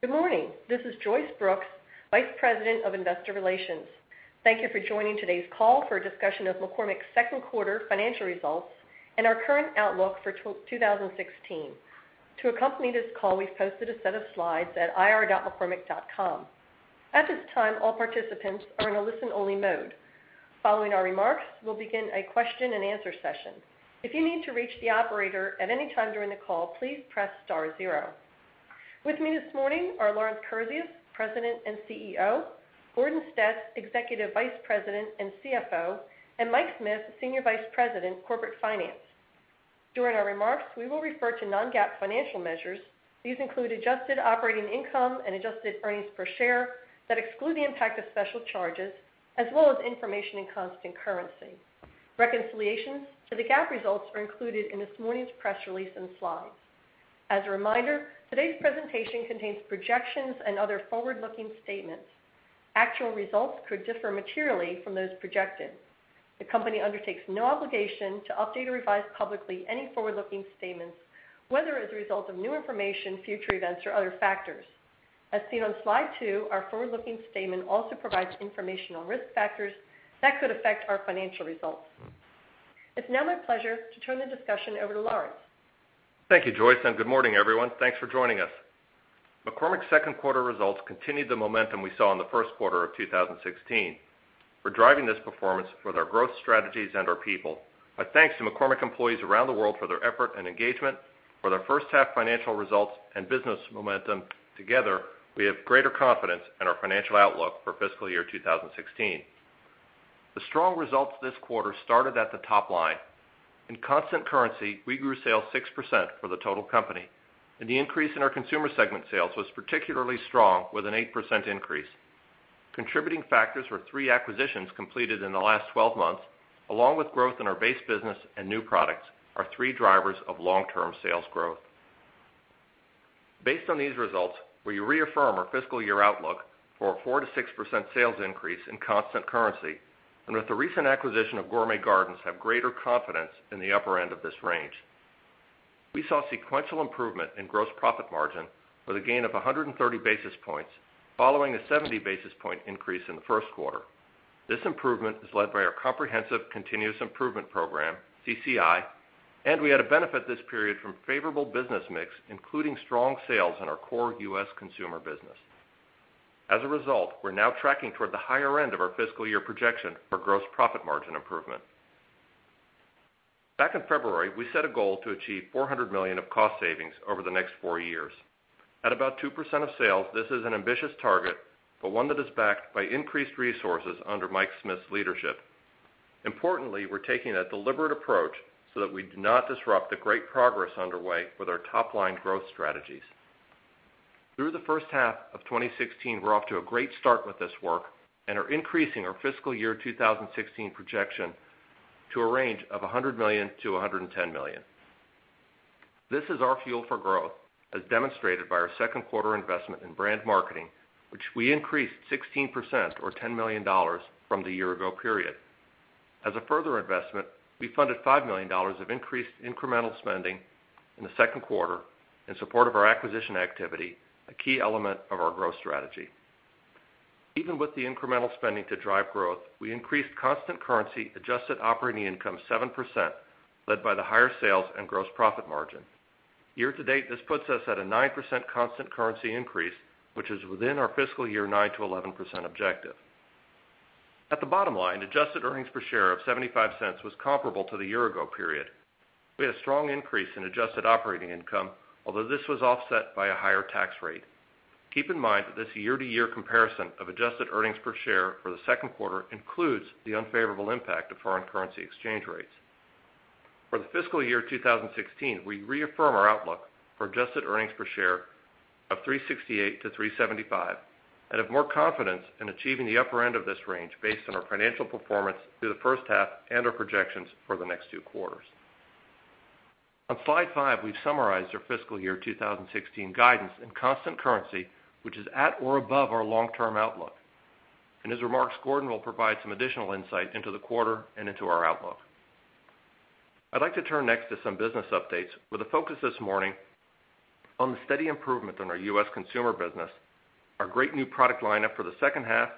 Good morning. This is Joyce Brooks, Vice President of Investor Relations. Thank you for joining today's call for a discussion of McCormick's second quarter financial results and our current outlook for 2016. To accompany this call, we've posted a set of slides at ir.mccormick.com. At this time, all participants are in a listen-only mode. Following our remarks, we'll begin a question and answer session. If you need to reach the operator at any time during the call, please press star zero. With me this morning are Lawrence Kurzius, President and CEO, Gordon Stetz, Executive Vice President and CFO, and Mike Smith, Senior Vice President, Corporate Finance. During our remarks, we will refer to non-GAAP financial measures. These include adjusted operating income and adjusted earnings per share that exclude the impact of special charges, as well as information in constant currency. Reconciliations to the GAAP results are included in this morning's press release and slides. As a reminder, today's presentation contains projections and other forward-looking statements. Actual results could differ materially from those projected. The company undertakes no obligation to update or revise publicly any forward-looking statements, whether as a result of new information, future events, or other factors. As seen on slide two, our forward-looking statement also provides information on risk factors that could affect our financial results. It's now my pleasure to turn the discussion over to Lawrence. Thank you, Joyce. Good morning, everyone. Thanks for joining us. McCormick's second quarter results continued the momentum we saw in the first quarter of 2016. We're driving this performance with our growth strategies and our people. My thanks to McCormick employees around the world for their effort and engagement, for their first half financial results and business momentum. Together, we have greater confidence in our financial outlook for fiscal year 2016. The strong results this quarter started at the top line. In constant currency, we grew sales 6% for the total company. The increase in our consumer segment sales was particularly strong with an 8% increase. Contributing factors were three acquisitions completed in the last 12 months, along with growth in our base business and new products, our three drivers of long-term sales growth. Based on these results, we reaffirm our fiscal year outlook for a 4%-6% sales increase in constant currency. With the recent acquisition of Gourmet Garden, have greater confidence in the upper end of this range. We saw sequential improvement in gross profit margin with a gain of 130 basis points following a 70 basis point increase in the first quarter. This improvement is led by our comprehensive continuous improvement program, CCI. We had a benefit this period from favorable business mix, including strong sales in our core U.S. consumer business. As a result, we're now tracking toward the higher end of our fiscal year projection for gross profit margin improvement. Back in February, we set a goal to achieve $400 million of cost savings over the next four years. At about 2% of sales, this is an ambitious target, but one that is backed by increased resources under Mike Smith's leadership. Importantly, we're taking a deliberate approach so that we do not disrupt the great progress underway with our top-line growth strategies. Through the first half of 2016, we're off to a great start with this work and are increasing our fiscal year 2016 projection to a range of $100 million-$110 million. This is our fuel for growth, as demonstrated by our second quarter investment in brand marketing, which we increased 16% or $10 million from the year ago period. As a further investment, we funded $5 million of increased incremental spending in the second quarter in support of our acquisition activity, a key element of our growth strategy. Even with the incremental spending to drive growth, we increased constant currency adjusted operating income 7%, led by the higher sales and gross profit margin. Year-to-date, this puts us at a 9% constant currency increase, which is within our fiscal year 9%-11% objective. At the bottom line, adjusted earnings per share of $0.75 was comparable to the year ago period. We had a strong increase in adjusted operating income, although this was offset by a higher tax rate. Keep in mind that this year-to-year comparison of adjusted earnings per share for the second quarter includes the unfavorable impact of foreign currency exchange rates. For the fiscal year 2016, we reaffirm our outlook for adjusted earnings per share of $3.68-$3.75 and have more confidence in achieving the upper end of this range based on our financial performance through the first half and our projections for the next two quarters. On slide five, we've summarized our fiscal year 2016 guidance in constant currency, which is at or above our long-term outlook. In his remarks, Gordon will provide some additional insight into the quarter and into our outlook. I'd like to turn next to some business updates with a focus this morning on the steady improvement in our U.S. consumer business, our great new product lineup for the second half,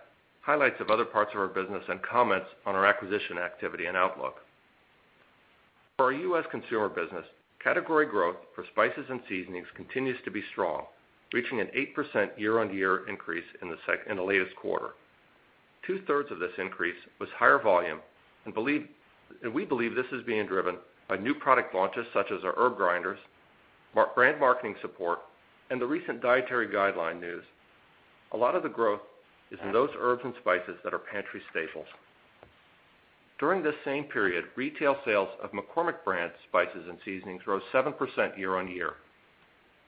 highlights of other parts of our business, and comments on our acquisition activity and outlook. For our U.S. consumer business, category growth for spices and seasonings continues to be strong, reaching an 8% year-on-year increase in the latest quarter. Two-thirds of this increase was higher volume, and we believe this is being driven by new product launches such as our herb grinders, brand marketing support, and the recent dietary guideline news. A lot of the growth is in those herbs and spices that are pantry staples. During this same period, retail sales of McCormick brand spices and seasonings rose 7% year-on-year.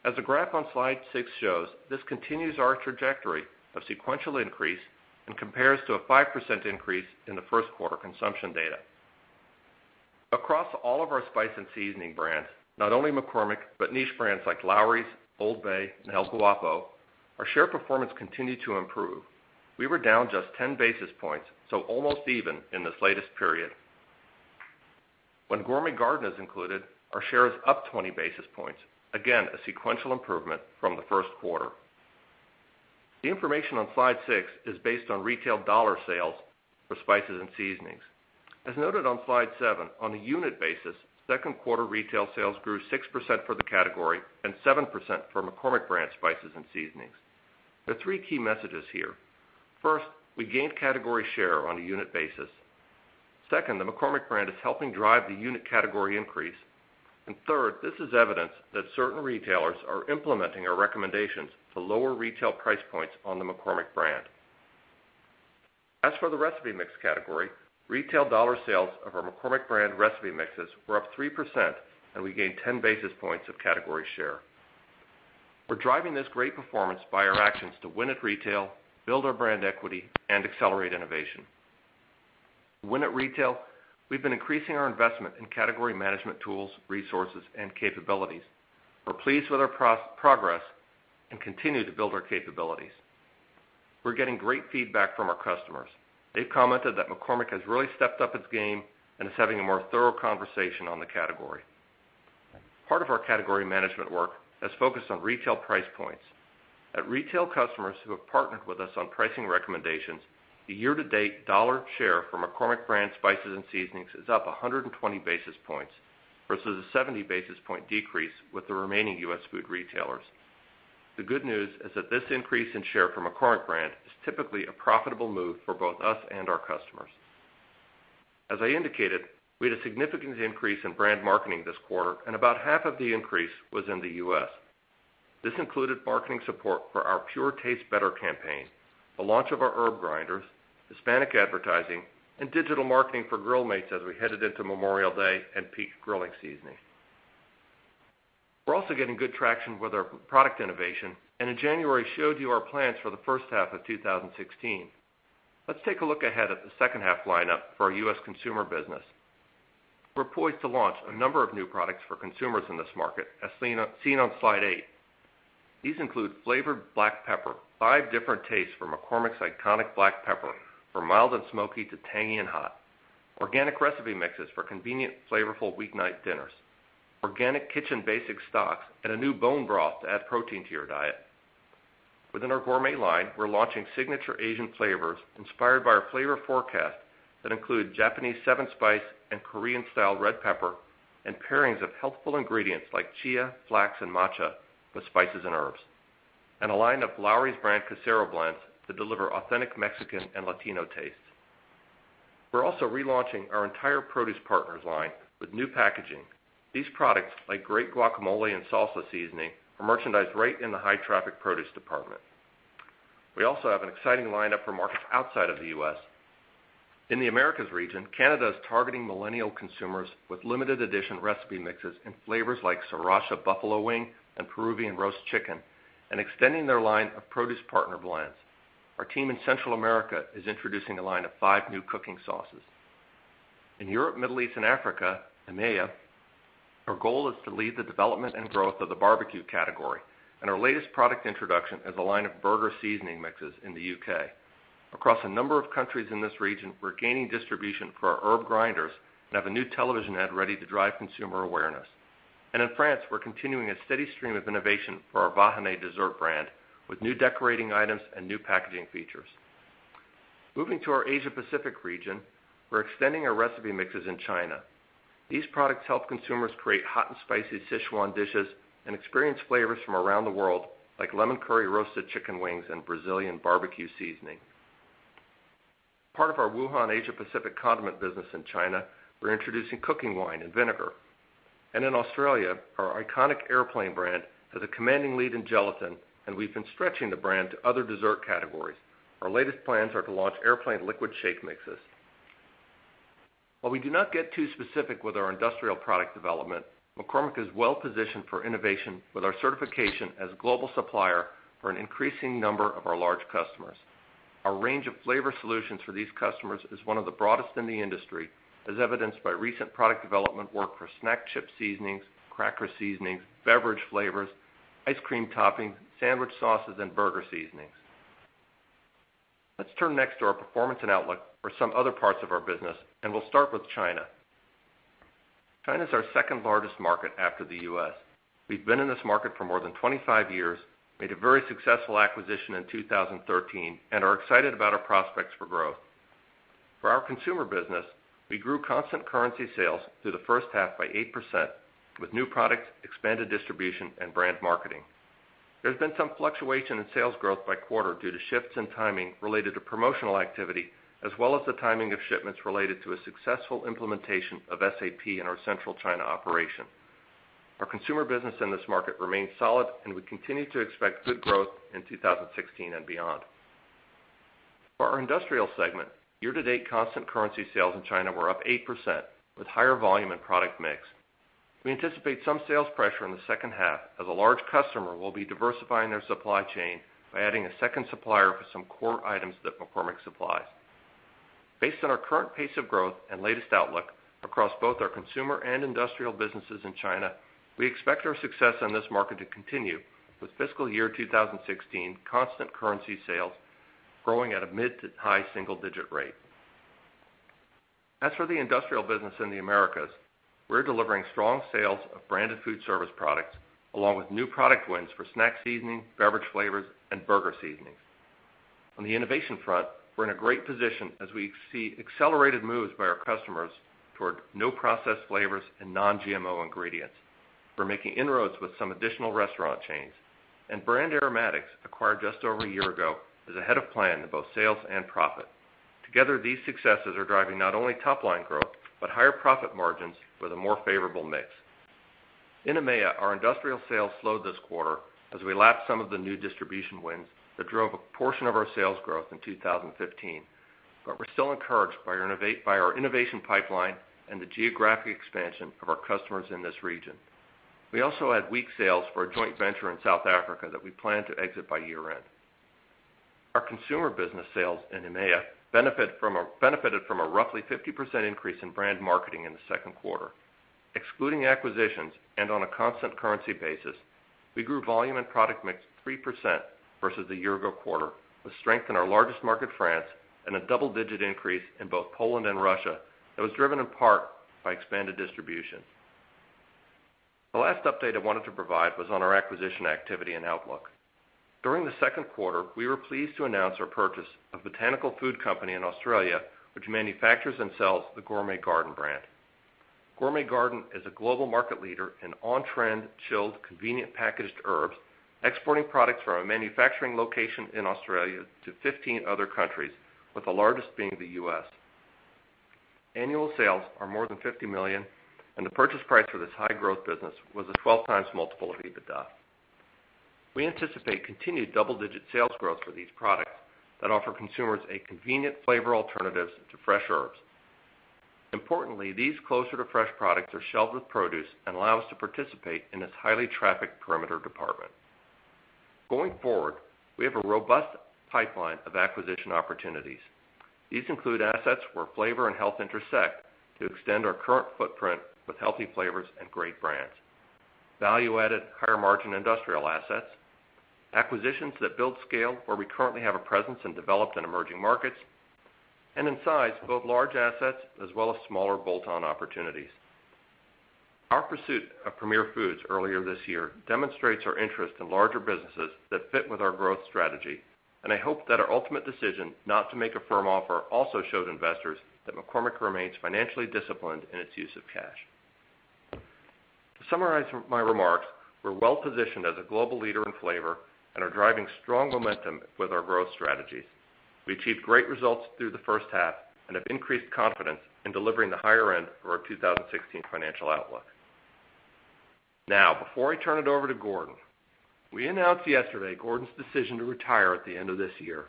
As the graph on slide six shows, this continues our trajectory of sequential increase and compares to a 5% increase in the first quarter consumption data. Across all of our spice and seasoning brands, not only McCormick, but niche brands like Lawry's, Old Bay, and El Guapo, our share performance continued to improve. We were down just 10 basis points, so almost even in this latest period. When Gourmet Garden is included, our share is up 20 basis points. Again, a sequential improvement from the first quarter. The information on slide six is based on retail dollar sales for spices and seasonings. As noted on slide seven, on a unit basis, second quarter retail sales grew 6% for the category and 7% for McCormick brand spices and seasonings. There are three key messages here. First, we gained category share on a unit basis. Second, the McCormick brand is helping drive the unit category increase. Third, this is evidence that certain retailers are implementing our recommendations to lower retail price points on the McCormick brand. As for the recipe mix category, retail dollar sales of our McCormick brand recipe mixes were up 3%, and we gained 10 basis points of category share. We're driving this great performance by our actions to win at retail, build our brand equity and accelerate innovation. Win at retail, we've been increasing our investment in category management tools, resources, and capabilities. We're pleased with our progress and continue to build our capabilities. We're getting great feedback from our customers. They've commented that McCormick has really stepped up its game and is having a more thorough conversation on the category. Part of our category management work has focused on retail price points. At retail, customers who have partnered with us on pricing recommendations, the year-to-date dollar share for McCormick brand spices and seasonings is up 120 basis points versus a 70 basis point decrease with the remaining U.S. food retailers. The good news is that this increase in share from McCormick brand is typically a profitable move for both us and our customers. As I indicated, we had a significant increase in brand marketing this quarter, and about half of the increase was in the U.S. This included marketing support for our Pure Tastes Better campaign, the launch of our herb grinders, Hispanic advertising, and digital marketing for Grill Mates as we headed into Memorial Day and peak grilling seasoning. We're also getting good traction with our product innovation, and in January, showed you our plans for the first half of 2016. Let's take a look ahead at the second half lineup for our U.S. consumer business. We're poised to launch a number of new products for consumers in this market, as seen on slide eight. These include flavored black pepper, five different tastes from McCormick's iconic black pepper, from mild and smoky to tangy and hot, organic recipe mixes for convenient, flavorful weeknight dinners, organic Kitchen Basic stocks, and a new bone broth to add protein to your diet. Within our gourmet line, we're launching signature Asian flavors inspired by our flavor forecast that include Japanese seven spice and Korean style red pepper, and pairings of healthful ingredients like chia, flax, and matcha with spices and herbs, and a line of Lawry's brand Casero blends that deliver authentic Mexican and Latino tastes. We're also relaunching our entire Produce Partners line with new packaging. These products, like great guacamole and salsa seasoning, are merchandised right in the high traffic produce department. We also have an exciting lineup for markets outside of the U.S. In the Americas region, Canada is targeting millennial consumers with limited edition recipe mixes in flavors like Sriracha Buffalo Wing and Peruvian roast chicken, extending their line of Produce Partners blends. Our team in Central America is introducing a line of five new cooking sauces. In Europe, Middle East, and Africa, EMEA, our goal is to lead the development and growth of the barbecue category. Our latest product introduction is a line of burger seasoning mixes in the U.K. Across a number of countries in this region, we're gaining distribution for our herb grinders and have a new television ad ready to drive consumer awareness. In France, we're continuing a steady stream of innovation for our Vahiné dessert brand with new decorating items and new packaging features. Moving to our Asia Pacific region, we're extending our recipe mixes in China. These products help consumers create hot and spicy Szechuan dishes and experience flavors from around the world, like lemon curry roasted chicken wings and Brazilian barbecue seasoning. Part of our Wuhan Asia Pacific condiment business in China, we're introducing cooking wine and vinegar. In Australia, our iconic Aeroplane brand has a commanding lead in gelatin, and we've been stretching the brand to other dessert categories. Our latest plans are to launch Aeroplane liquid shake mixes. While we do not get too specific with our industrial product development, McCormick is well positioned for innovation with our certification as a global supplier for an increasing number of our large customers. Our range of flavor solutions for these customers is one of the broadest in the industry, as evidenced by recent product development work for snack chip seasonings, cracker seasonings, beverage flavors, ice cream toppings, sandwich sauces, and burger seasonings. Let's turn next to our performance and outlook for some other parts of our business. We'll start with China. China's our second largest market after the U.S. We've been in this market for more than 25 years, made a very successful acquisition in 2013, and are excited about our prospects for growth. For our consumer business, we grew constant currency sales through the first half by 8%, with new products, expanded distribution, and brand marketing. There's been some fluctuation in sales growth by quarter due to shifts in timing related to promotional activity, as well as the timing of shipments related to a successful implementation of SAP in our central China operation. Our consumer business in this market remains solid, and we continue to expect good growth in 2016 and beyond. For our industrial segment, year to date constant currency sales in China were up 8%, with higher volume and product mix. We anticipate some sales pressure in the second half as a large customer will be diversifying their supply chain by adding a second supplier for some core items that McCormick supplies. Based on our current pace of growth and latest outlook across both our consumer and industrial businesses in China, we expect our success in this market to continue with fiscal year 2016 constant currency sales growing at a mid to high single-digit rate. As for the industrial business in the Americas, we're delivering strong sales of branded food service products, along with new product wins for snack seasoning, beverage flavors, and burger seasonings. On the innovation front, we're in a great position as we see accelerated moves by our customers toward no-process flavors and non-GMO ingredients. We're making inroads with some additional restaurant chains, and Brand Aromatics, acquired just over a year ago, is ahead of plan in both sales and profit. Together, these successes are driving not only top-line growth, but higher profit margins with a more favorable mix. In EMEA, our industrial sales slowed this quarter as we lapped some of the new distribution wins that drove a portion of our sales growth in 2015. We're still encouraged by our innovation pipeline and the geographic expansion of our customers in this region. We also had weak sales for a joint venture in South Africa that we plan to exit by year-end. Our consumer business sales in EMEA benefited from a roughly 50% increase in brand marketing in the second quarter. Excluding acquisitions and on a constant currency basis, we grew volume and product mix 3% versus the year ago quarter, with strength in our largest market, France, and a double-digit increase in both Poland and Russia that was driven in part by expanded distribution. The last update I wanted to provide was on our acquisition activity and outlook. During the second quarter, we were pleased to announce our purchase of Botanical Food Company in Australia, which manufactures and sells the Gourmet Garden brand. Gourmet Garden is a global market leader in on-trend, chilled, convenient packaged herbs, exporting products from a manufacturing location in Australia to 15 other countries, with the largest being the U.S. Annual sales are more than $50 million, and the purchase price for this high-growth business was a 12x multiple of EBITDA. We anticipate continued double-digit sales growth for these products that offer consumers a convenient flavor alternatives to fresh herbs. Importantly, these closer to fresh products are shelved with produce and allow us to participate in this highly trafficked perimeter department. Going forward, we have a robust pipeline of acquisition opportunities. These include assets where flavor and health intersect to extend our current footprint with healthy flavors and great brands. Value-added, higher margin industrial assets. Acquisitions that build scale where we currently have a presence in developed and emerging markets. In size, both large assets as well as smaller bolt-on opportunities. Our pursuit of Premier Foods earlier this year demonstrates our interest in larger businesses that fit with our growth strategy, and I hope that our ultimate decision not to make a firm offer also showed investors that McCormick remains financially disciplined in its use of cash. To summarize my remarks, we're well-positioned as a global leader in flavor and are driving strong momentum with our growth strategies. We achieved great results through the first half and have increased confidence in delivering the higher end of our 2016 financial outlook. Before I turn it over to Gordon, we announced yesterday Gordon's decision to retire at the end of this year.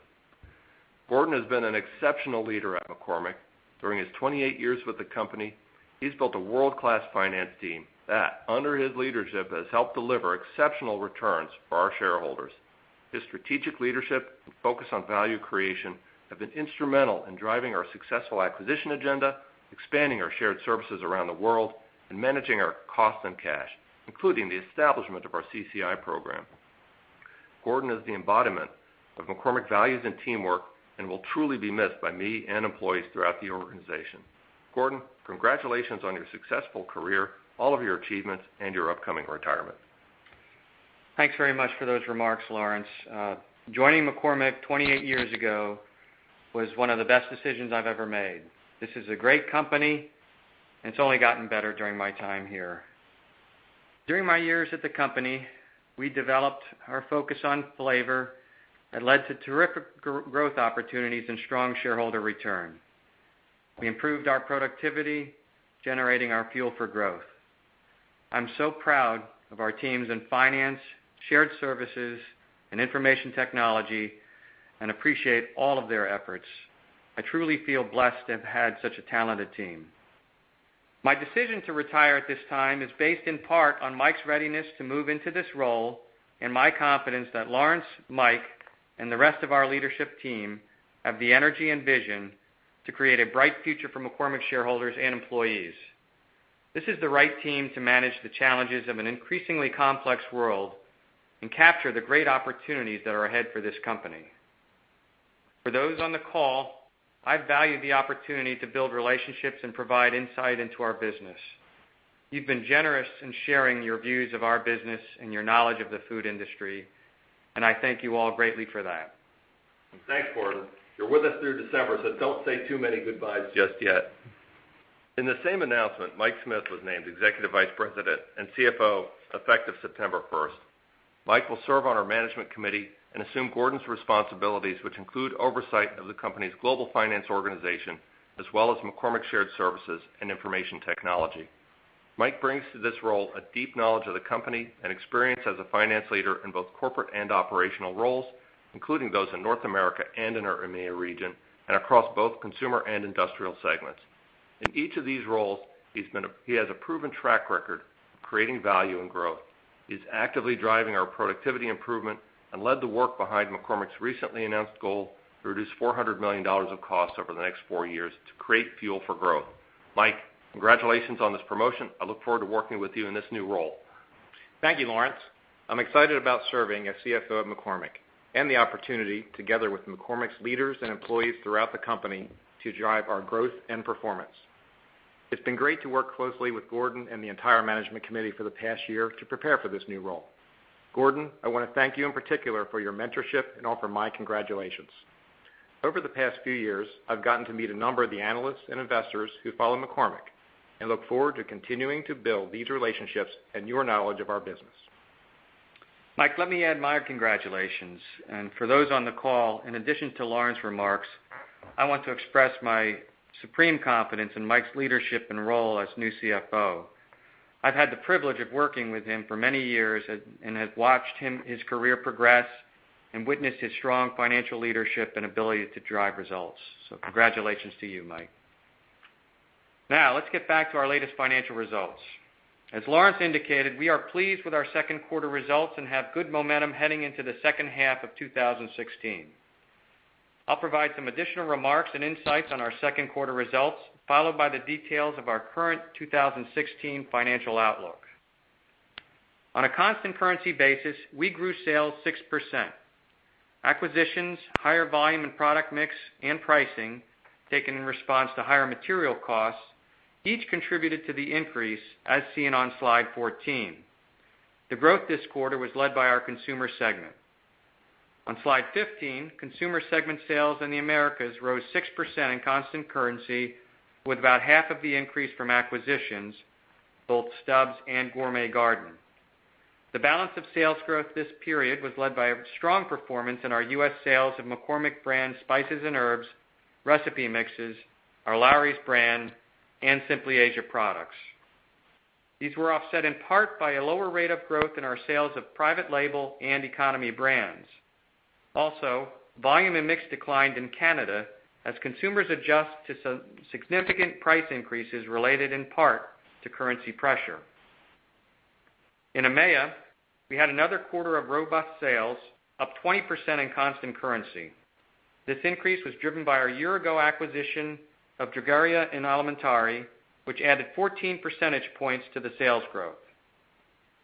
Gordon has been an exceptional leader at McCormick. During his 28 years with the company, he's built a world-class finance team that, under his leadership, has helped deliver exceptional returns for our shareholders. His strategic leadership and focus on value creation have been instrumental in driving our successful acquisition agenda, expanding our shared services around the world, and managing our costs and cash, including the establishment of our CCI program. Gordon is the embodiment of McCormick values and teamwork and will truly be missed by me and employees throughout the organization. Gordon, congratulations on your successful career, all of your achievements, and your upcoming retirement. Thanks very much for those remarks, Lawrence. Joining McCormick 28 years ago was one of the best decisions I've ever made. This is a great company, and it's only gotten better during my time here. During my years at the company, we developed our focus on flavor that led to terrific growth opportunities and strong shareholder return. We improved our productivity, generating our fuel for growth. I'm so proud of our teams in finance, Shared Services, and information technology, and appreciate all of their efforts. I truly feel blessed to have had such a talented team. My decision to retire at this time is based in part on Mike's readiness to move into this role and my confidence that Lawrence, Mike, and the rest of our leadership team have the energy and vision to create a bright future for McCormick shareholders and employees. This is the right team to manage the challenges of an increasingly complex world and capture the great opportunities that are ahead for this company. For those on the call, I value the opportunity to build relationships and provide insight into our business. You've been generous in sharing your views of our business and your knowledge of the food industry, and I thank you all greatly for that. Thanks, Gordon. You're with us through December, so don't say too many goodbyes just yet. In the same announcement, Mike Smith was named Executive Vice President and CFO effective September 1st. Mike will serve on our management committee and assume Gordon's responsibilities, which include oversight of the company's global finance organization, as well as McCormick Shared Services and Information Technology. Mike brings to this role a deep knowledge of the company and experience as a finance leader in both corporate and operational roles, including those in North America and in our EMEA region, and across both consumer and industrial segments. In each of these roles, he has a proven track record of creating value and growth, is actively driving our productivity improvement, and led the work behind McCormick's recently announced goal to reduce $400 million of costs over the next four years to create fuel for growth. Mike, congratulations on this promotion. I look forward to working with you in this new role. Thank you, Lawrence. I'm excited about serving as CFO of McCormick and the opportunity, together with McCormick's leaders and employees throughout the company, to drive our growth and performance. It's been great to work closely with Gordon and the entire management committee for the past year to prepare for this new role. Gordon, I want to thank you in particular for your mentorship and offer my congratulations. Over the past few years, I've gotten to meet a number of the analysts and investors who follow McCormick and look forward to continuing to build these relationships and your knowledge of our business. Mike, let me add my congratulations. For those on the call, in addition to Lawrence's remarks, I want to express my supreme confidence in Mike's leadership and role as new CFO. I've had the privilege of working with him for many years and have watched his career progress and witnessed his strong financial leadership and ability to drive results. Congratulations to you, Mike. Now, let's get back to our latest financial results. As Lawrence indicated, we are pleased with our second quarter results and have good momentum heading into the second half of 2016. I'll provide some additional remarks and insights on our second quarter results, followed by the details of our current 2016 financial outlook. On a constant currency basis, we grew sales 6%. Acquisitions, higher volume in product mix and pricing, taken in response to higher material costs, each contributed to the increase as seen on slide 14. The growth this quarter was led by our consumer segment. On slide 15, consumer segment sales in the Americas rose 6% in constant currency, with about half of the increase from acquisitions, both Stubb's and Gourmet Garden. The balance of sales growth this period was led by a strong performance in our U.S. sales of McCormick brand spices and herbs, recipe mixes, our Lawry's brand, and Simply Asia products. These were offset in part by a lower rate of growth in our sales of private label and economy brands. Also, volume and mix declined in Canada as consumers adjust to significant price increases related in part to currency pressure. In EMEA, we had another quarter of robust sales, up 20% in constant currency. This increase was driven by our year-ago acquisition of Drogheria & Alimentari, which added 14 percentage points to the sales growth.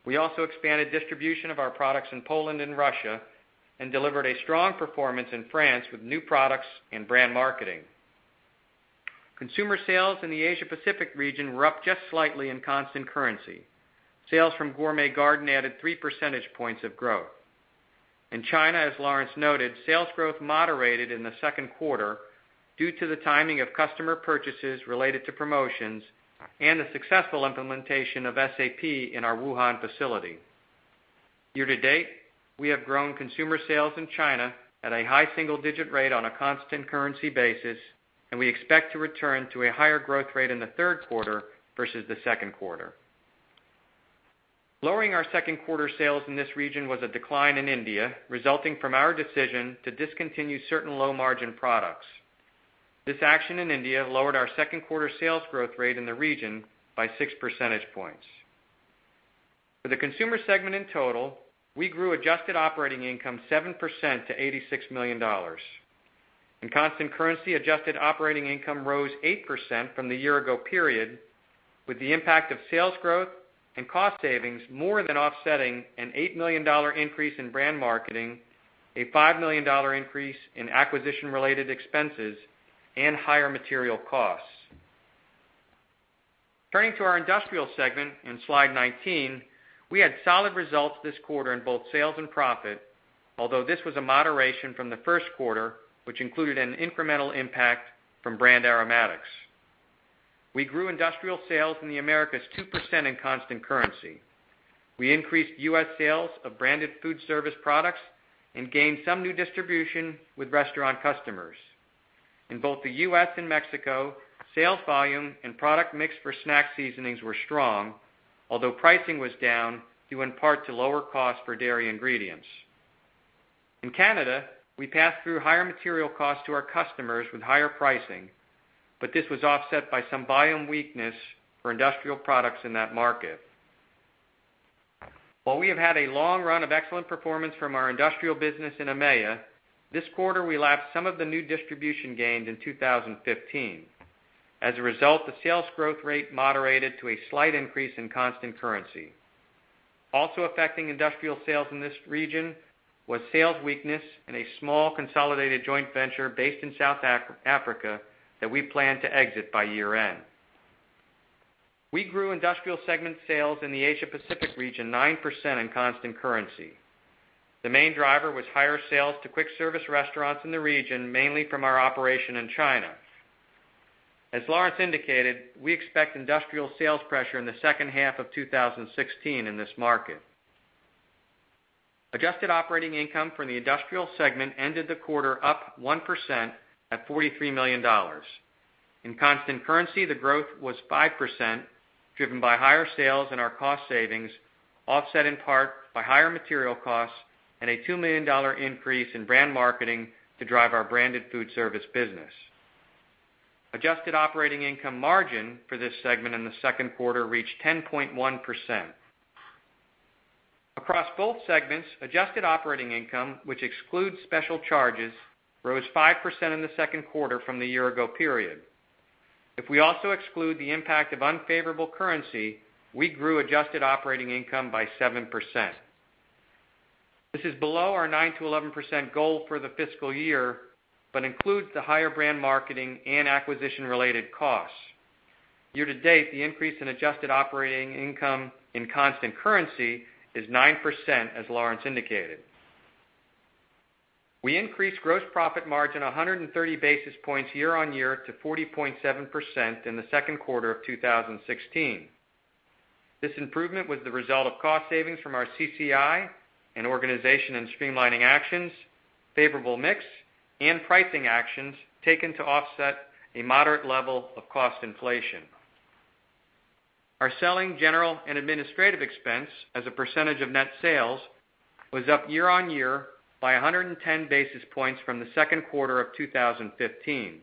We also expanded distribution of our products in Poland and Russia and delivered a strong performance in France with new products and brand marketing. Consumer sales in the Asia Pacific region were up just slightly in constant currency. Sales from Gourmet Garden added three percentage points of growth. In China, as Lawrence noted, sales growth moderated in the second quarter due to the timing of customer purchases related to promotions and the successful implementation of SAP in our Wuhan facility. Year to date, we have grown consumer sales in China at a high single-digit rate on a constant currency basis, and we expect to return to a higher growth rate in the third quarter versus the second quarter. Lowering our second quarter sales in this region was a decline in India, resulting from our decision to discontinue certain low-margin products. This action in India lowered our second quarter sales growth rate in the region by six percentage points. For the consumer segment in total, we grew adjusted operating income 7% to $86 million. In constant currency, adjusted operating income rose 8% from the year ago period, with the impact of sales growth and cost savings more than offsetting an $8 million increase in brand marketing, a $5 million increase in acquisition related expenses, and higher material costs. Turning to our industrial segment in slide 19, we had solid results this quarter in both sales and profit, although this was a moderation from the first quarter, which included an incremental impact from Brand Aromatics. We grew industrial sales in the Americas 2% in constant currency. We increased U.S. sales of branded food service products and gained some new distribution with restaurant customers. In both the U.S. and Mexico, sales volume and product mix for snack seasonings were strong, although pricing was down due in part to lower cost for dairy ingredients. In Canada, we passed through higher material costs to our customers with higher pricing, but this was offset by some volume weakness for industrial products in that market. While we have had a long run of excellent performance from our industrial business in EMEA, this quarter we lapsed some of the new distribution gains in 2015. As a result, the sales growth rate moderated to a slight increase in constant currency. Also affecting industrial sales in this region was sales weakness in a small consolidated joint venture based in South Africa that we plan to exit by year-end. We grew industrial segment sales in the Asia Pacific region 9% in constant currency. The main driver was higher sales to quick service restaurants in the region, mainly from our operation in China. As Lawrence indicated, we expect industrial sales pressure in the second half of 2016 in this market. Adjusted operating income from the industrial segment ended the quarter up 1% at $43 million. In constant currency, the growth was 5%, driven by higher sales and our cost savings, offset in part by higher material costs and a $2 million increase in brand marketing to drive our branded food service business. Adjusted operating income margin for this segment in the second quarter reached 10.1%. Across both segments, adjusted operating income, which excludes special charges, rose 5% in the second quarter from the year ago period. If we also exclude the impact of unfavorable currency, we grew adjusted operating income by 7%. This is below our 9%-11% goal for the fiscal year, but includes the higher brand marketing and acquisition-related costs. Year-to-date, the increase in adjusted operating income in constant currency is 9%, as Lawrence indicated. We increased gross profit margin 130 basis points year-over-year to 40.7% in the second quarter of 2016. This improvement was the result of cost savings from our CCI and organization and streamlining actions, favorable mix, and pricing actions taken to offset a moderate level of cost inflation. Our selling, general, and administrative expense as a percentage of net sales was up year-over-year by 110 basis points from the second quarter of 2015.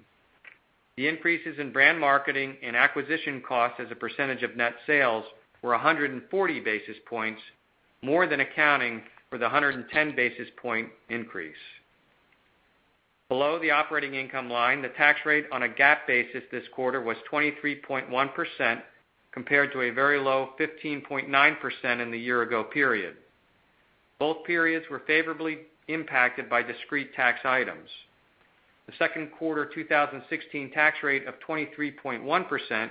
The increases in brand marketing and acquisition costs as a percentage of net sales were 140 basis points, more than accounting for the 110 basis point increase. Below the operating income line, the tax rate on a GAAP basis this quarter was 23.1%, compared to a very low 15.9% in the year-ago period. Both periods were favorably impacted by discrete tax items. The second quarter 2016 tax rate of 23.1%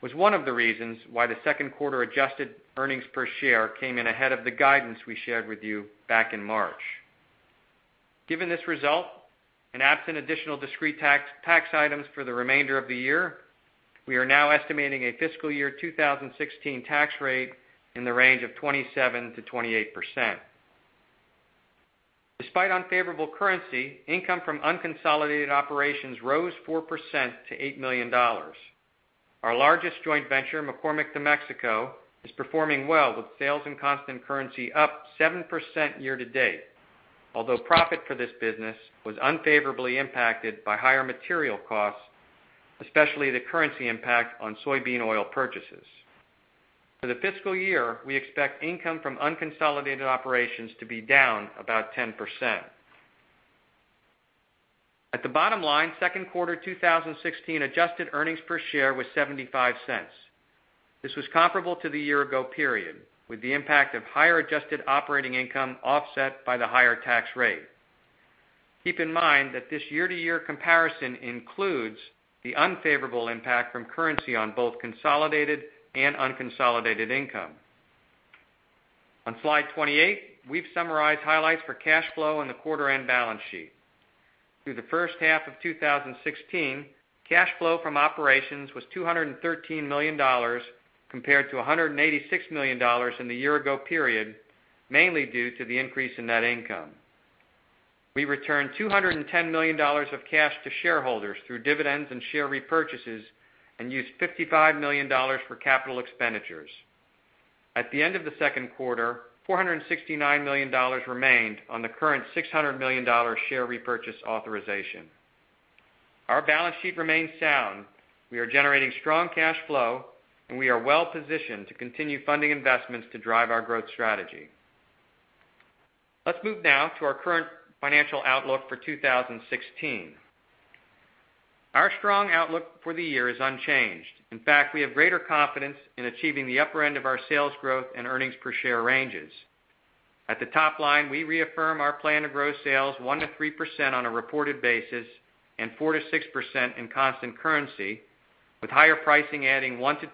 was one of the reasons why the second quarter adjusted earnings per share came in ahead of the guidance we shared with you back in March. Given this result, and absent additional discrete tax items for the remainder of the year, we are now estimating a fiscal year 2016 tax rate in the range of 27%-28%. Despite unfavorable currency, income from unconsolidated operations rose 4% to $8 million. Our largest joint venture, McCormick de Mexico, is performing well, with sales and constant currency up 7% year-to-date. Although profit for this business was unfavorably impacted by higher material costs, especially the currency impact on soybean oil purchases. For the fiscal year, we expect income from unconsolidated operations to be down about 10%. At the bottom line, second quarter 2016 adjusted earnings per share was $0.75. This was comparable to the year-ago period, with the impact of higher adjusted operating income offset by the higher tax rate. Keep in mind that this year-to-year comparison includes the unfavorable impact from currency on both consolidated and unconsolidated income. On slide 28, we've summarized highlights for cash flow and the quarter-end balance sheet. Through the first half of 2016, cash flow from operations was $213 million, compared to $186 million in the year-ago period, mainly due to the increase in net income. We returned $210 million of cash to shareholders through dividends and share repurchases and used $55 million for capital expenditures. At the end of the second quarter, $469 million remained on the current $600 million share repurchase authorization. Our balance sheet remains sound. We are generating strong cash flow, and we are well positioned to continue funding investments to drive our growth strategy. Let's move now to our current financial outlook for 2016. Our strong outlook for the year is unchanged. In fact, we have greater confidence in achieving the upper end of our sales growth and earnings per share ranges. At the top line, we reaffirm our plan to grow sales 1%-3% on a reported basis and 4%-6% in constant currency, with higher pricing adding 1%-2%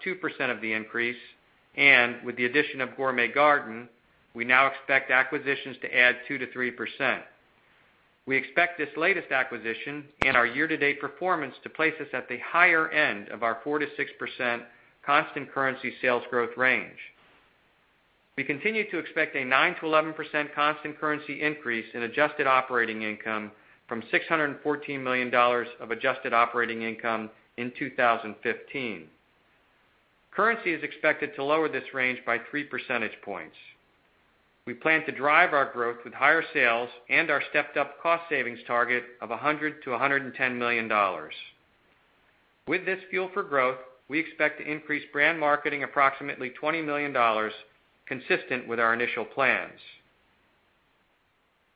of the increase. With the addition of Gourmet Garden, we now expect acquisitions to add 2%-3%. We expect this latest acquisition and our year-to-date performance to place us at the higher end of our 4%-6% constant currency sales growth range. We continue to expect a 9%-11% constant currency increase in adjusted operating income from $614 million of adjusted operating income in 2015. Currency is expected to lower this range by three percentage points. We plan to drive our growth with higher sales and our stepped up cost savings target of $100 million-$110 million. With this fuel for growth, we expect to increase brand marketing approximately $20 million, consistent with our initial plans.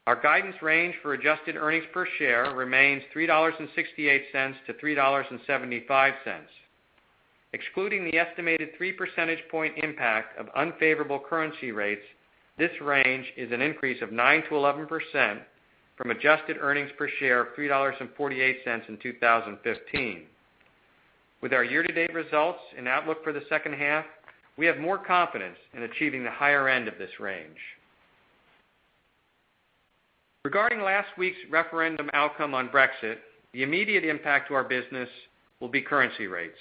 Our guidance range for adjusted earnings per share remains $3.68-$3.75. Excluding the estimated three percentage point impact of unfavorable currency rates, this range is an increase of 9%-11% from adjusted earnings per share of $3.48 in 2015. With our year-to-date results and outlook for the second half, we have more confidence in achieving the higher end of this range. Regarding last week's referendum outcome on Brexit, the immediate impact to our business will be currency rates.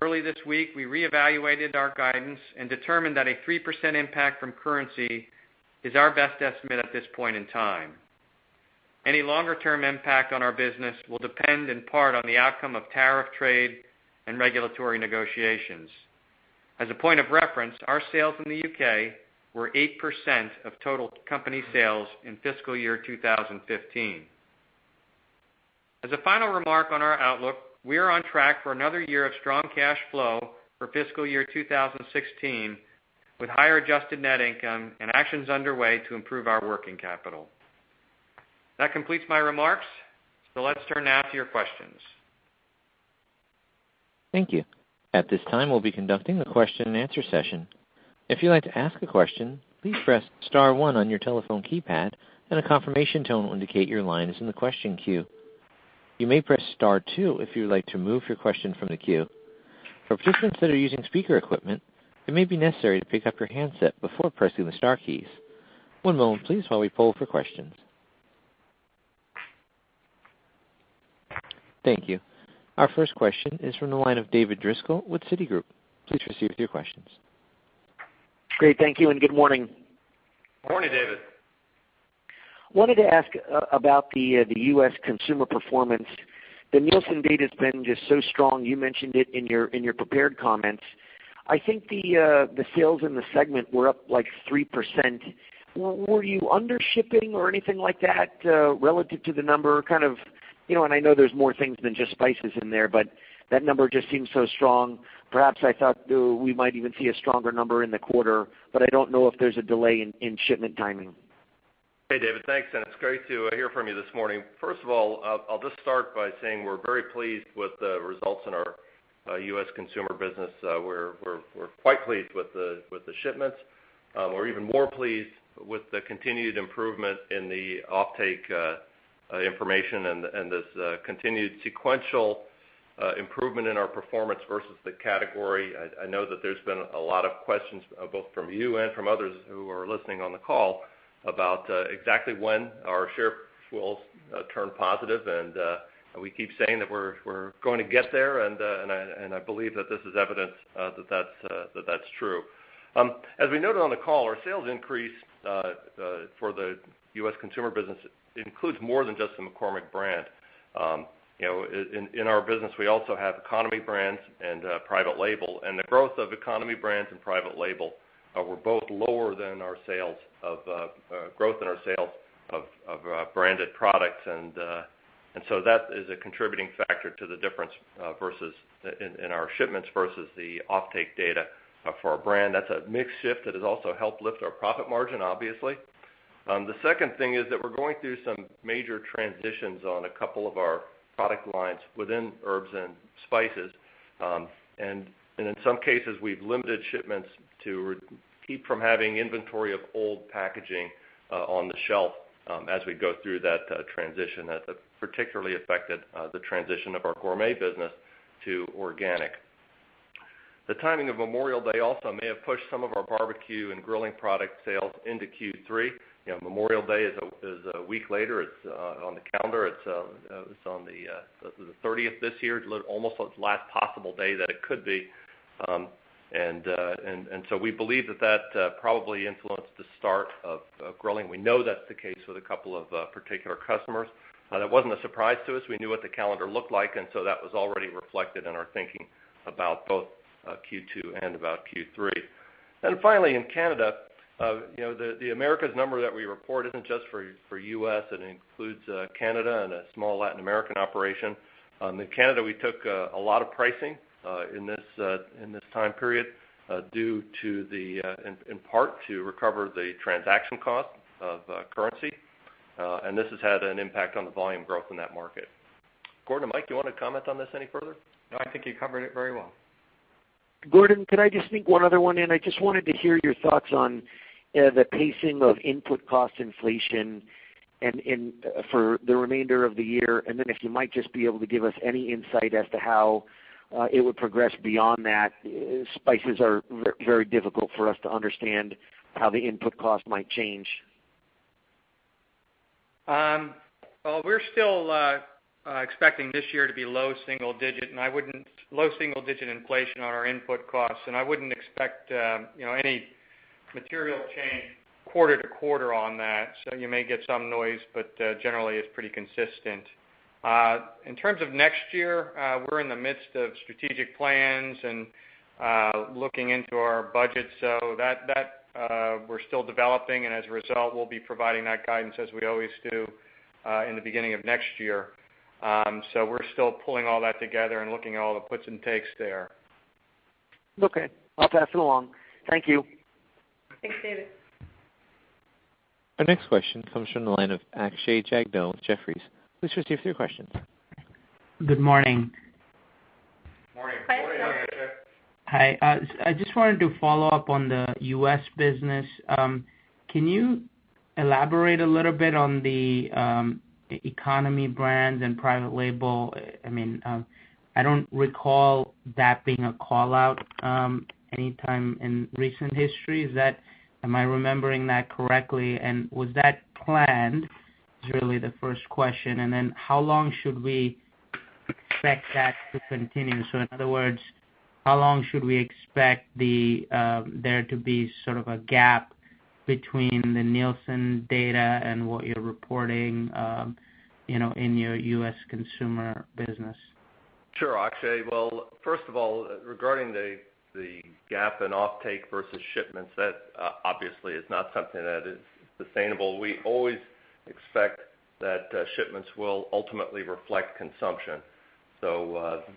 Early this week, we reevaluated our guidance and determined that a 3% impact from currency is our best estimate at this point in time. Any longer-term impact on our business will depend in part on the outcome of tariff trade and regulatory negotiations. As a point of reference, our sales in the U.K. were 8% of total company sales in fiscal year 2015. As a final remark on our outlook, we are on track for another year of strong cash flow for fiscal year 2016, with higher adjusted net income and actions underway to improve our working capital. That completes my remarks, let's turn now to your questions. Thank you. At this time, we'll be conducting a question and answer session. If you'd like to ask a question, please press *1 on your telephone keypad, and a confirmation tone will indicate your line is in the question queue. You may press *2 if you would like to remove your question from the queue. For participants that are using speaker equipment, it may be necessary to pick up your handset before pressing the star keys. One moment please while we poll for questions. Thank you. Our first question is from the line of David Driscoll with Citigroup. Please proceed with your questions. Great. Thank you, and good morning. Morning, David. Wanted to ask about the U.S. consumer performance. The Nielsen data's been just so strong. You mentioned it in your prepared comments. I think the sales in the segment were up, like, 3%. Were you under-shipping or anything like that relative to the number? I know there's more things than just spices in there, but that number just seems so strong. Perhaps I thought we might even see a stronger number in the quarter, but I don't know if there's a delay in shipment timing. Hey, David. Thanks. It's great to hear from you this morning. First of all, I'll just start by saying we're very pleased with the results in our U.S. consumer business. We're quite pleased with the shipments. We're even more pleased with the continued improvement in the offtake information and this continued sequential improvement in our performance versus the category. I know that there's been a lot of questions, both from you and from others who are listening on the call, about exactly when our share will turn positive. We keep saying that we're going to get there, and I believe that this is evidence that that's true. As we noted on the call, our sales increase for the U.S. consumer business includes more than just the McCormick brand. In our business, we also have economy brands and private label. The growth of economy brands and private label were both lower than our growth in our sales of branded products. That is a contributing factor to the difference in our shipments versus the offtake data for our brand. That's a mix shift that has also helped lift our profit margin, obviously. The second thing is that we're going through some major transitions on a couple of our product lines within herbs and spices. In some cases, we've limited shipments to keep from having inventory of old packaging on the shelf as we go through that transition. That particularly affected the transition of our Gourmet Garden business to organic. The timing of Memorial Day also may have pushed some of our barbecue and grilling product sales into Q3. Memorial Day is a week later on the calendar. It's on the 30th this year, almost the last possible day that it could be. We believe that probably influenced the start of grilling. We know that's the case with a couple of particular customers. That wasn't a surprise to us. We knew what the calendar looked like. That was already reflected in our thinking about both Q2 and about Q3. Finally, in Canada, the Americas number that we report isn't just for U.S. It includes Canada and a small Latin American operation. In Canada, we took a lot of pricing in this time period in part to recover the transaction cost of currency. This has had an impact on the volume growth in that market. Gordon or Mike, do you want to comment on this any further? No, I think you covered it very well. Gordon, could I just sneak one other one in? I just wanted to hear your thoughts on the pacing of input cost inflation and for the remainder of the year, and then if you might just be able to give us any insight as to how it would progress beyond that. Spices are very difficult for us to understand how the input cost might change. Well, we're still expecting this year to be low single digit inflation on our input costs, and I wouldn't expect any material change quarter to quarter on that. You may get some noise, but generally, it's pretty consistent. In terms of next year, we're in the midst of strategic plans and looking into our budget, so that we're still developing, and as a result, we'll be providing that guidance, as we always do, in the beginning of next year. We're still pulling all that together and looking at all the puts and takes there. Okay. I'll pass it along. Thank you. Thanks, David. Our next question comes from the line of Akshay Jagdale, Jefferies. Please proceed with your questions. Good morning. Morning, Akshay. Hi. Hi. I just wanted to follow up on the U.S. business. Can you elaborate a little bit on the economy brands and private label? I don't recall that being a call-out anytime in recent history. Am I remembering that correctly? Was that planned, is really the first question. How long should we expect that to continue? In other words, how long should we expect there to be sort of a gap between the Nielsen data and what you're reporting in your U.S. consumer business? Sure, Akshay. First of all, regarding the gap in offtake versus shipments, that obviously is not something that is sustainable. We always expect that shipments will ultimately reflect consumption.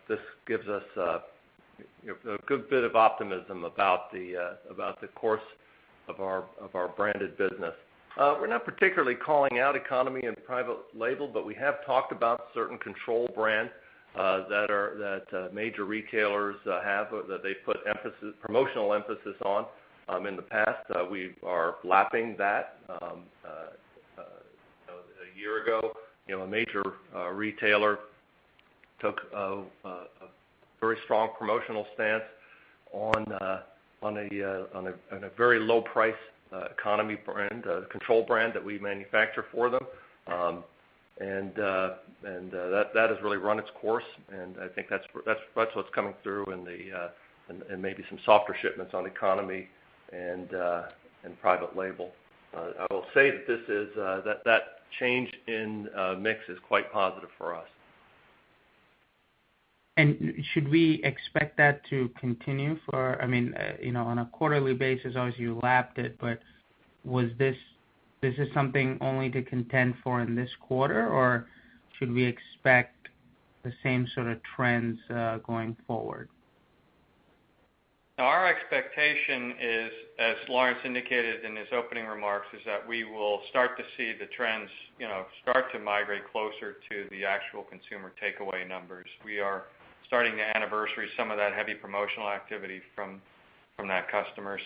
This gives us a A good bit of optimism about the course of our branded business. We're not particularly calling out economy and private label, but we have talked about certain control brands that major retailers have, that they've put promotional emphasis on in the past. We are lapping that. A year ago, a major retailer took a very strong promotional stance on a very low price economy brand, a control brand that we manufacture for them. That has really run its course and I think that's what's coming through and maybe some softer shipments on economy and private label. I will say that that change in mix is quite positive for us. Should we expect that to continue for, on a quarterly basis, obviously you lapped it, but this is something only to contend for in this quarter, or should we expect the same sort of trends going forward? Our expectation is, as Lawrence indicated in his opening remarks, is that we will start to see the trends start to migrate closer to the actual consumer takeaway numbers. We are starting to anniversary some of that heavy promotional activity from that customer.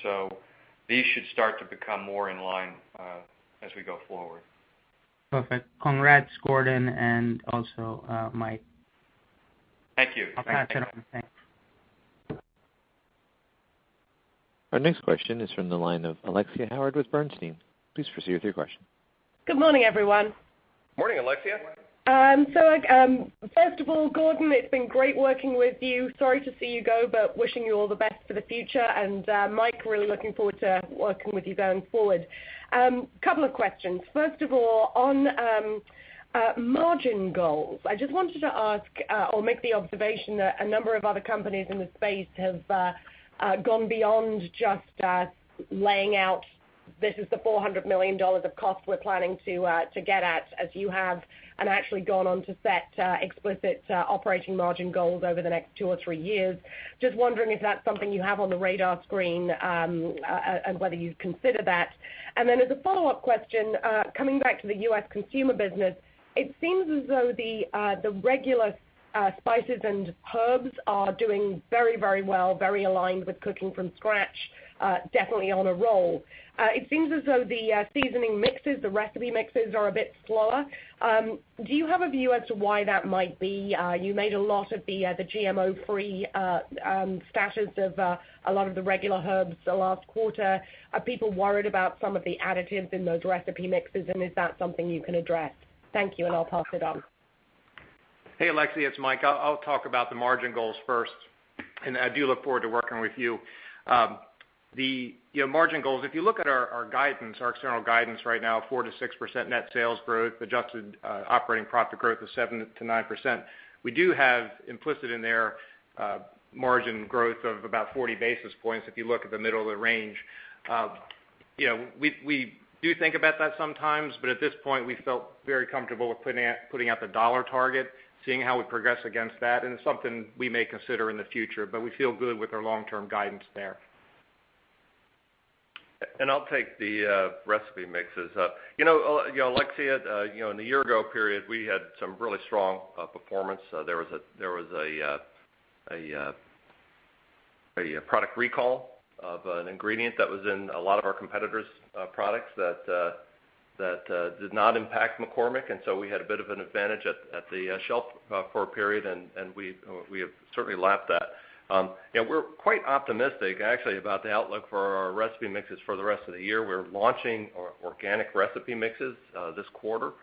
These should start to become more in line as we go forward. Perfect. Congrats, Gordon, and also Mike. Thank you. I'll pass it on. Thanks. Our next question is from the line of Alexia Howard with Bernstein. Please proceed with your question. Good morning, everyone. Morning, Alexia. First of all, Gordon, it's been great working with you. Sorry to see you go, but wishing you all the best for the future. Mike, really looking forward to working with you going forward. Couple of questions. First of all, on margin goals, I just wanted to ask or make the observation that a number of other companies in the space have gone beyond just laying out, this is the $400 million of cost we're planning to get at, as you have, and actually gone on to set explicit operating margin goals over the next two or three years. Just wondering if that's something you have on the radar screen, and whether you'd consider that. As a follow-up question, coming back to the U.S. consumer business, it seems as though the regular spices and herbs are doing very well, very aligned with cooking from scratch, definitely on a roll. It seems as though the seasoning mixes, the recipe mixes, are a bit slower. Do you have a view as to why that might be? You made a lot of the GMO-free status of a lot of the regular herbs the last quarter. Are people worried about some of the additives in those recipe mixes, and is that something you can address? Thank you, and I'll pass it on. Hey, Alexia, it's Mike. I'll talk about the margin goals first, and I do look forward to working with you. The margin goals, if you look at our external guidance right now, 4%-6% net sales growth, adjusted operating profit growth of 7%-9%. We do have implicit in there margin growth of about 40 basis points if you look at the middle of the range. We do think about that sometimes, but at this point, we felt very comfortable with putting out the dollar target, seeing how we progress against that, and it's something we may consider in the future. We feel good with our long-term guidance there. I'll take the recipe mixes. Alexia, in the year ago period, we had some really strong performance. There was a product recall of an ingredient that was in a lot of our competitors' products that did not impact McCormick, so we had a bit of an advantage at the shelf for a period. We have certainly lapped that. We're quite optimistic, actually, about the outlook for our recipe mixes for the rest of the year. We're launching organic recipe mixes this quarter.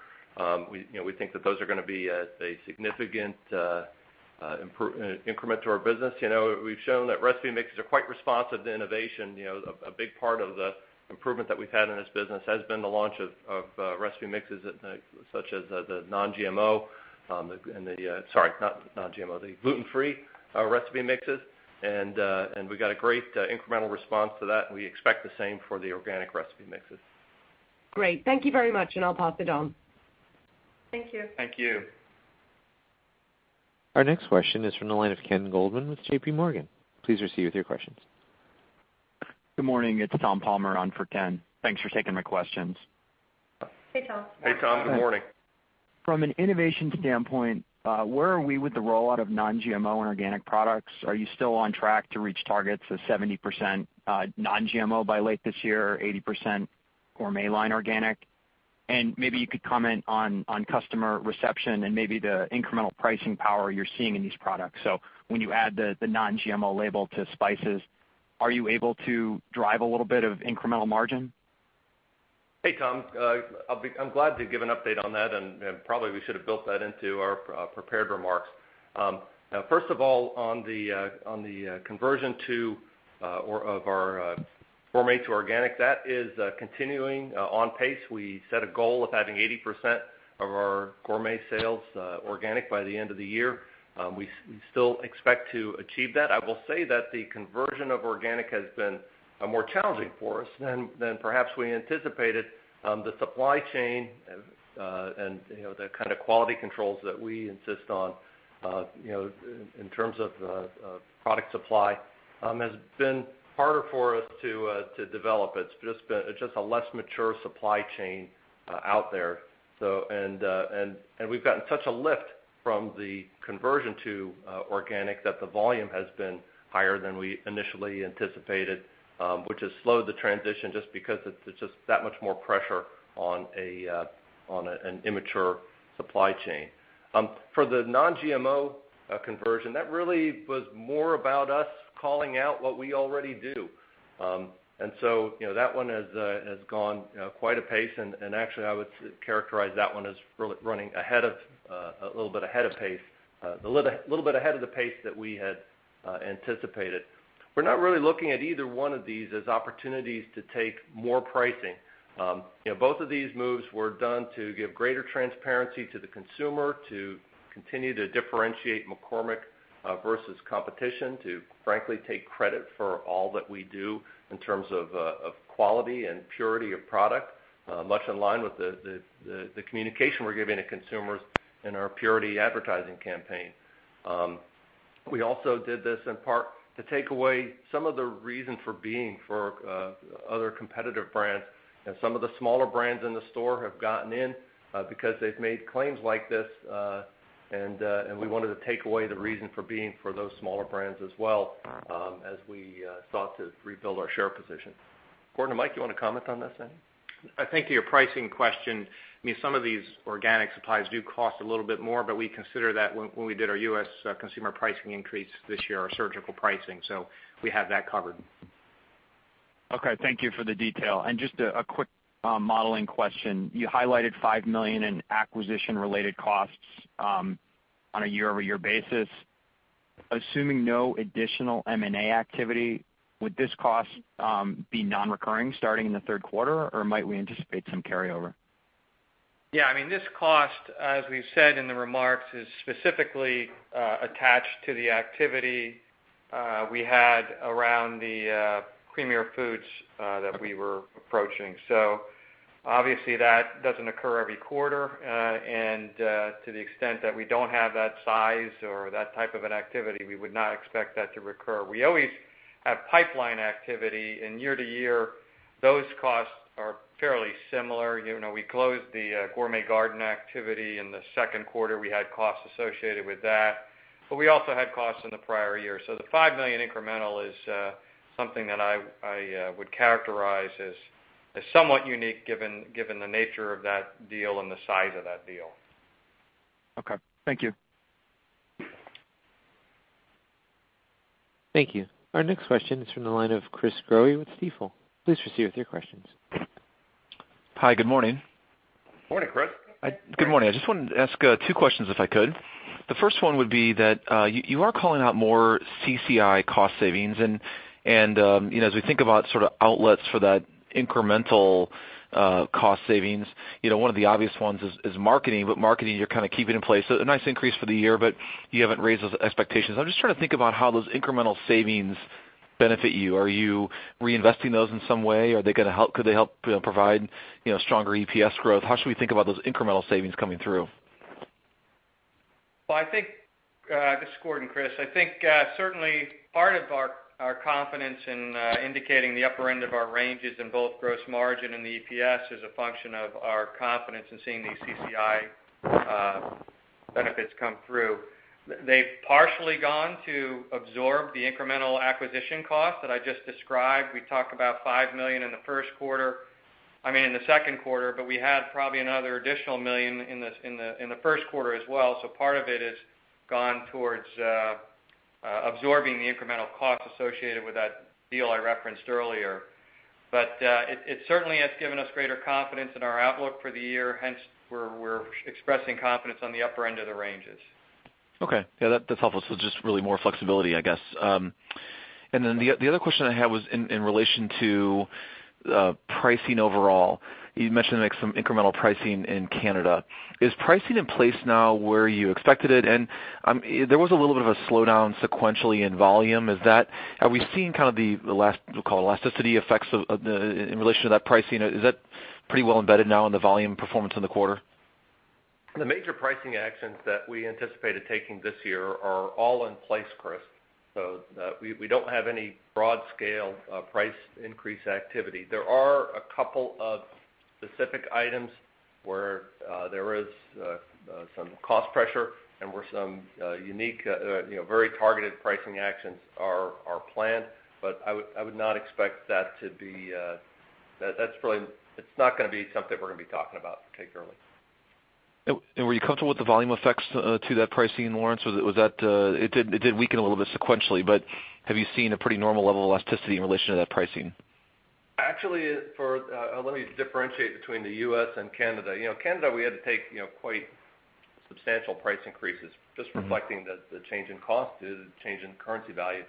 We think that those are going to be a significant increment to our business. We've shown that recipe mixes are quite responsive to innovation. A big part of the improvement that we've had in this business has been the launch of recipe mixes, such as the gluten-free recipe mixes. We got a great incremental response to that. We expect the same for the organic recipe mixes. Great. Thank you very much. I'll pass it on. Thank you. Thank you. Our next question is from the line of Ken Goldman with JP Morgan. Please proceed with your questions. Good morning. It's Thomas Palmer on for Ken. Thanks for taking my questions. Hey, Tom. Hey, Tom. Good morning. From an innovation standpoint, where are we with the rollout of non-GMO and organic products? Are you still on track to reach targets of 70% non-GMO by late this year, or 80% gourmet line organic? Maybe you could comment on customer reception and maybe the incremental pricing power you're seeing in these products. When you add the non-GMO label to spices, are you able to drive a little bit of incremental margin? Hey, Tom. I'm glad to give an update on that, and probably we should have built that into our prepared remarks. First of all, on the conversion of our gourmet to organic, that is continuing on pace. We set a goal of having 80% of our gourmet sales organic by the end of the year. We still expect to achieve that. I will say that the conversion of organic has been more challenging for us than perhaps we anticipated. The supply chain and the kind of quality controls that we insist on in terms of product supply has been harder for us to develop. It's just a less mature supply chain out there. We've gotten such a lift from the conversion to organic that the volume has been higher than we initially anticipated, which has slowed the transition just because it's just that much more pressure on an immature supply chain. For the non-GMO conversion, that really was more about us calling out what we already do. That one has gone quite a pace, and actually I would characterize that one as running a little bit ahead of pace. A little bit ahead of the pace that we had anticipated. We're not really looking at either one of these as opportunities to take more pricing. Both of these moves were done to give greater transparency to the consumer, to continue to differentiate McCormick versus competition, to frankly take credit for all that we do in terms of quality and purity of product, much in line with the communication we're giving to consumers in our purity advertising campaign. We also did this in part to take away some of the reason for being for other competitive brands, and some of the smaller brands in the store have gotten in because they've made claims like this, and we wanted to take away the reason for being for those smaller brands as well, as we sought to rebuild our share position. Gordon or Mike, you want to comment on this any? I think to your pricing question, some of these organic supplies do cost a little bit more, but we consider that when we did our U.S. consumer pricing increase this year, our surgical pricing. We have that covered. Okay, thank you for the detail. Just a quick modeling question. You highlighted $5 million in acquisition related costs on a year-over-year basis. Assuming no additional M&A activity, would this cost be non-recurring starting in the third quarter, or might we anticipate some carryover? Yeah, this cost, as we've said in the remarks, is specifically attached to the activity we had around the Premier Foods that we were approaching. Obviously that doesn't occur every quarter, and to the extent that we don't have that size or that type of an activity, we would not expect that to recur. We always have pipeline activity, and year-to-year, those costs are fairly similar. We closed the Gourmet Garden activity in the second quarter. We had costs associated with that, but we also had costs in the prior year. The $5 million incremental is something that I would characterize as somewhat unique given the nature of that deal and the size of that deal. Okay. Thank you. Thank you. Our next question is from the line of Chris Growe with Stifel. Please proceed with your questions. Hi, good morning. Morning, Chris. Good morning. I just wanted to ask two questions, if I could. The first one would be that you are calling out more CCI cost savings, and as we think about outlets for that incremental cost savings, one of the obvious ones is marketing, but marketing, you're keeping in place. A nice increase for the year, but you haven't raised those expectations. I'm just trying to think about how those incremental savings benefit you. Are you reinvesting those in some way? Could they help provide stronger EPS growth? How should we think about those incremental savings coming through? This is Gordon, Chris. I think certainly part of our confidence in indicating the upper end of our ranges in both gross margin and the EPS is a function of our confidence in seeing these CCI benefits come through. They've partially gone to absorb the incremental acquisition cost that I just described. We talked about $5 million in the second quarter, but we had probably another additional million in the first quarter as well. Part of it has gone towards absorbing the incremental cost associated with that deal I referenced earlier. It certainly has given us greater confidence in our outlook for the year, hence we're expressing confidence on the upper end of the ranges. Okay. Yeah, that's helpful. Just really more flexibility, I guess. The other question I had was in relation to pricing overall. You mentioned some incremental pricing in Canada. Is pricing in place now where you expected it? There was a little bit of a slowdown sequentially in volume. Are we seeing the last, we'll call elasticity effects in relation to that pricing? Is that pretty well embedded now in the volume performance in the quarter? The major pricing actions that we anticipated taking this year are all in place, Chris. We don't have any broad scale price increase activity. There are a couple of specific items where there is some cost pressure and where some unique, very targeted pricing actions are planned, but I would not expect that to be. It's not going to be something we're going to be talking about particularly. Were you comfortable with the volume effects to that pricing, Lawrence? It did weaken a little bit sequentially, but have you seen a pretty normal level of elasticity in relation to that pricing? Actually, let me differentiate between the U.S. and Canada. Canada, we had to take quite substantial price increases, just reflecting that the change in cost is a change in currency value.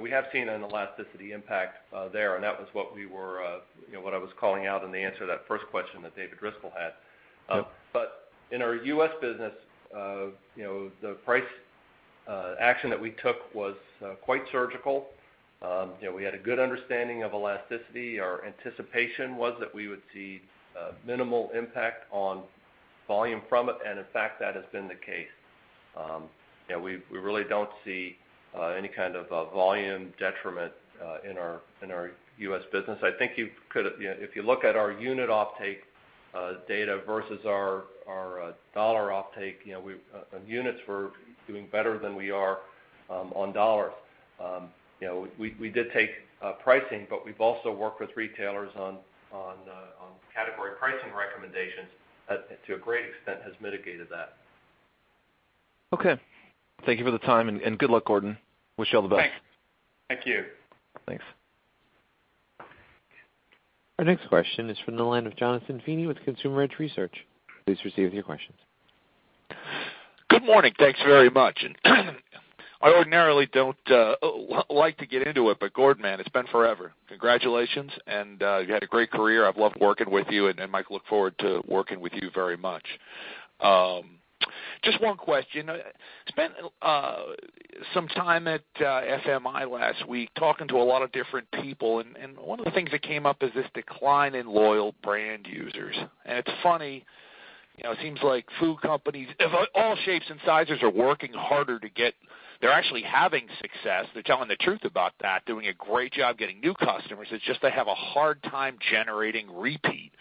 We have seen an elasticity impact there, and that was what I was calling out in the answer to that first question that David Driscoll had. In our U.S. business, the price action that we took was quite surgical. We had a good understanding of elasticity. Our anticipation was that we would see minimal impact on volume from it, and in fact, that has been the case. We really don't see any kind of volume detriment in our U.S. business. If you look at our unit offtake data versus our dollar offtake, units were doing better than we are on dollars. We did take pricing, but we've also worked with retailers on category pricing recommendations, to a great extent, has mitigated that. Okay. Thank you for the time, and good luck, Gordon. Wish you all the best. Thanks. Thank you. Thanks. Our next question is from the line of Jonathan Feeney with Consumer Edge Research. Please proceed with your questions. Good morning. Thanks very much. I ordinarily don't like to get into it, but Gordon, man, it's been forever. Congratulations. You've had a great career. I've loved working with you. Mike, look forward to working with you very much. Just one question. Spent some time at FMI last week talking to a lot of different people. One of the things that came up is this decline in loyal brand users. It's funny, it seems like food companies of all shapes and sizes are working harder. They're actually having success. They're telling the truth about that, doing a great job getting new customers. It's just they have a hard time generating repeat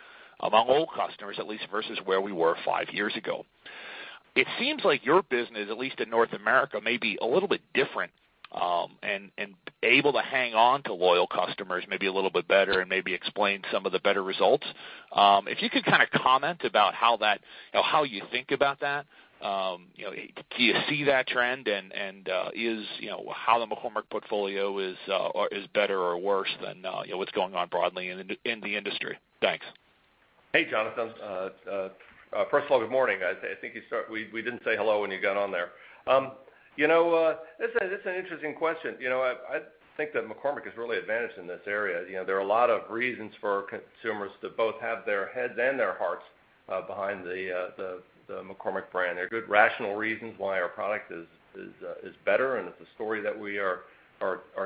among old customers, at least, versus where we were five years ago. It seems like your business, at least in North America, may be a little bit different, and able to hang on to loyal customers maybe a little bit better and maybe explain some of the better results. If you could comment about how you think about that. Do you see that trend, and how the McCormick portfolio is better or worse than what's going on broadly in the industry? Thanks. Hey, Jonathan. First of all, good morning. I think we didn't say hello when you got on there. It's an interesting question. I think that McCormick has really advantaged in this area. There are a lot of reasons for consumers to both have their heads and their hearts behind the McCormick brand. There are good, rational reasons why our product is better, and it's a story that we are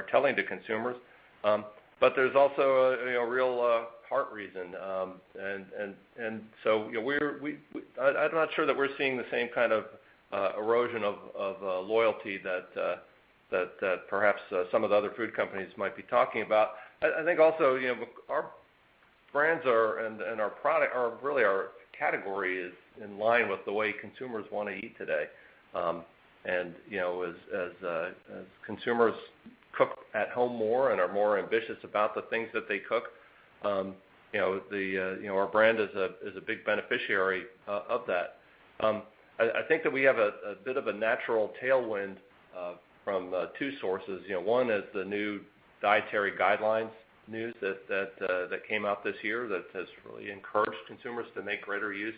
telling to consumers. There's also a real heart reason. I'm not sure that we're seeing the same kind of erosion of loyalty that perhaps some of the other food companies might be talking about. I think also, our brands and our product, really our category is in line with the way consumers want to eat today. As consumers cook at home more and are more ambitious about the things that they cook, our brand is a big beneficiary of that. I think that we have a bit of a natural tailwind from two sources. One is the new dietary guidelines news that came out this year that has really encouraged consumers to make greater use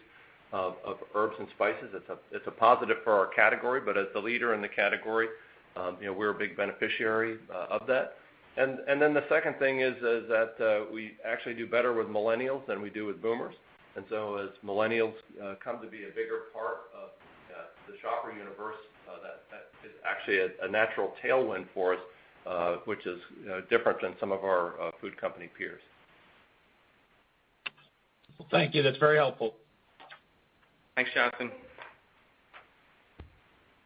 of herbs and spices. It's a positive for our category, but as the leader in the category, we're a big beneficiary of that. The second thing is that we actually do better with millennials than we do with boomers, as millennials come to be a bigger part of the shopper universe, that is actually a natural tailwind for us, which is different than some of our food company peers. Well, thank you. That's very helpful. Thanks, Jonathan.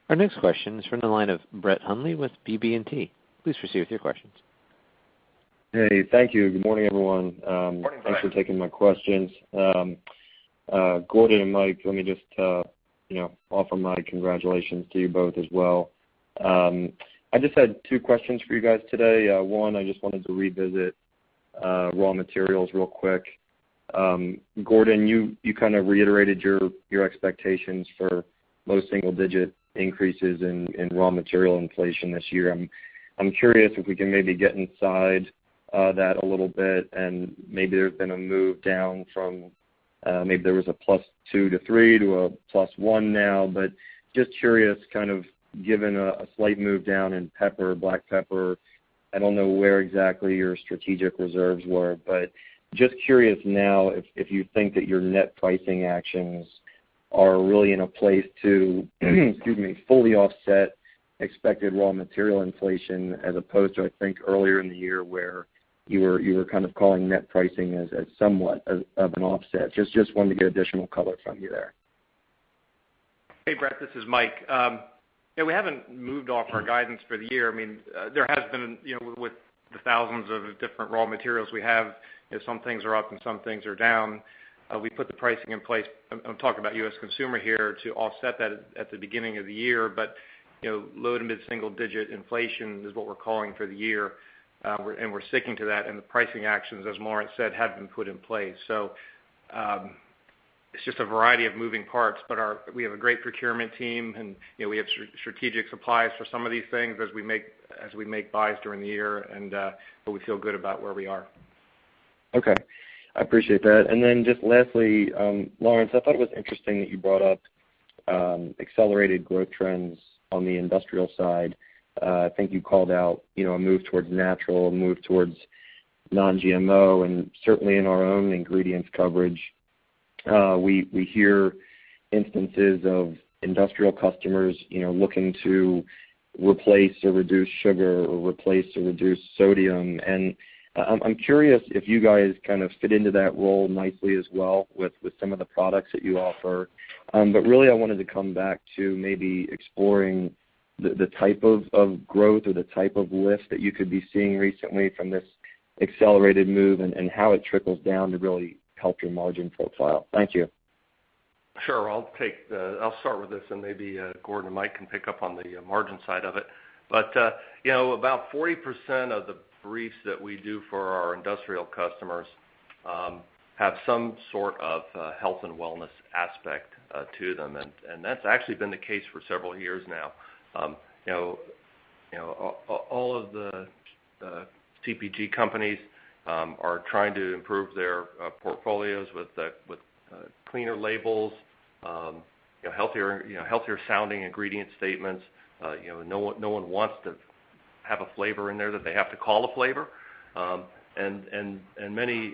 Our next question is from the line of Brett Hundley with BB&T. Please proceed with your questions. Hey, thank you. Good morning, everyone. Morning, Brett. Thanks for taking my questions. Gordon and Mike, let me just offer my congratulations to you both as well. I just had two questions for you guys today. One, I just wanted to revisit raw materials real quick. Gordon, you reiterated your expectations for low single-digit increases in raw material inflation this year. I'm curious if we can maybe get inside that a little bit. Maybe there's been a move down from, maybe there was a +2% to +3% to a +1% now. Just curious, given a slight move down in black pepper, I don't know where exactly your strategic reserves were. Just curious now if you think that your net pricing actions are really in a place to, excuse me, fully offset expected raw material inflation as opposed to, I think, earlier in the year where you were calling net pricing as somewhat of an offset. Just wanted to get additional color from you there. Hey, Brett, this is Mike. Yeah, we haven't moved off our guidance for the year. There has been, with the thousands of different raw materials we have, some things are up and some things are down. We put the pricing in place, I'm talking about U.S. consumer here, to offset that at the beginning of the year. Low- to mid-single digit inflation is what we're calling for the year, and we're sticking to that, the pricing actions, as Lawrence said, have been put in place. It's just a variety of moving parts. We have a great procurement team, we have strategic supplies for some of these things as we make buys during the year. We feel good about where we are. Okay. I appreciate that. Then just lastly, Lawrence Kurzius, I thought it was interesting that you brought up accelerated growth trends on the industrial side. I think you called out a move towards natural, a move towards non-GMO, and certainly in our own ingredients coverage, we hear instances of industrial customers looking to replace or reduce sugar or replace or reduce sodium. I'm curious if you guys fit into that role nicely as well with some of the products that you offer. Really, I wanted to come back to maybe exploring the type of growth or the type of lift that you could be seeing recently from this accelerated move and how it trickles down to really help your margin profile. Thank you. Sure. I'll start with this and maybe Gordon Stetz and Mike Smith can pick up on the margin side of it. About 40% of the briefs that we do for our industrial customers have some sort of health and wellness aspect to them, and that's actually been the case for several years now. All of the CPG companies are trying to improve their portfolios with cleaner labels, healthier sounding ingredient statements. No one wants to have a flavor in there that they have to call a flavor. Many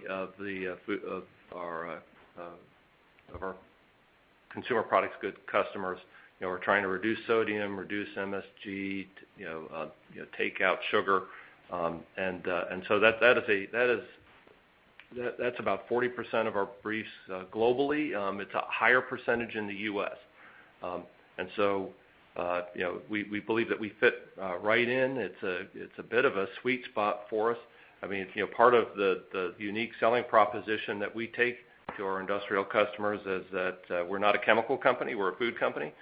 of our consumer products customers are trying to reduce sodium, reduce MSG, take out sugar. That's about 40% of our briefs globally. It's a higher percentage in the U.S. We believe that we fit right in. It's a bit of a sweet spot for us. Part of the unique selling proposition that we take to our industrial customers is that we're not a chemical company, we're a food company.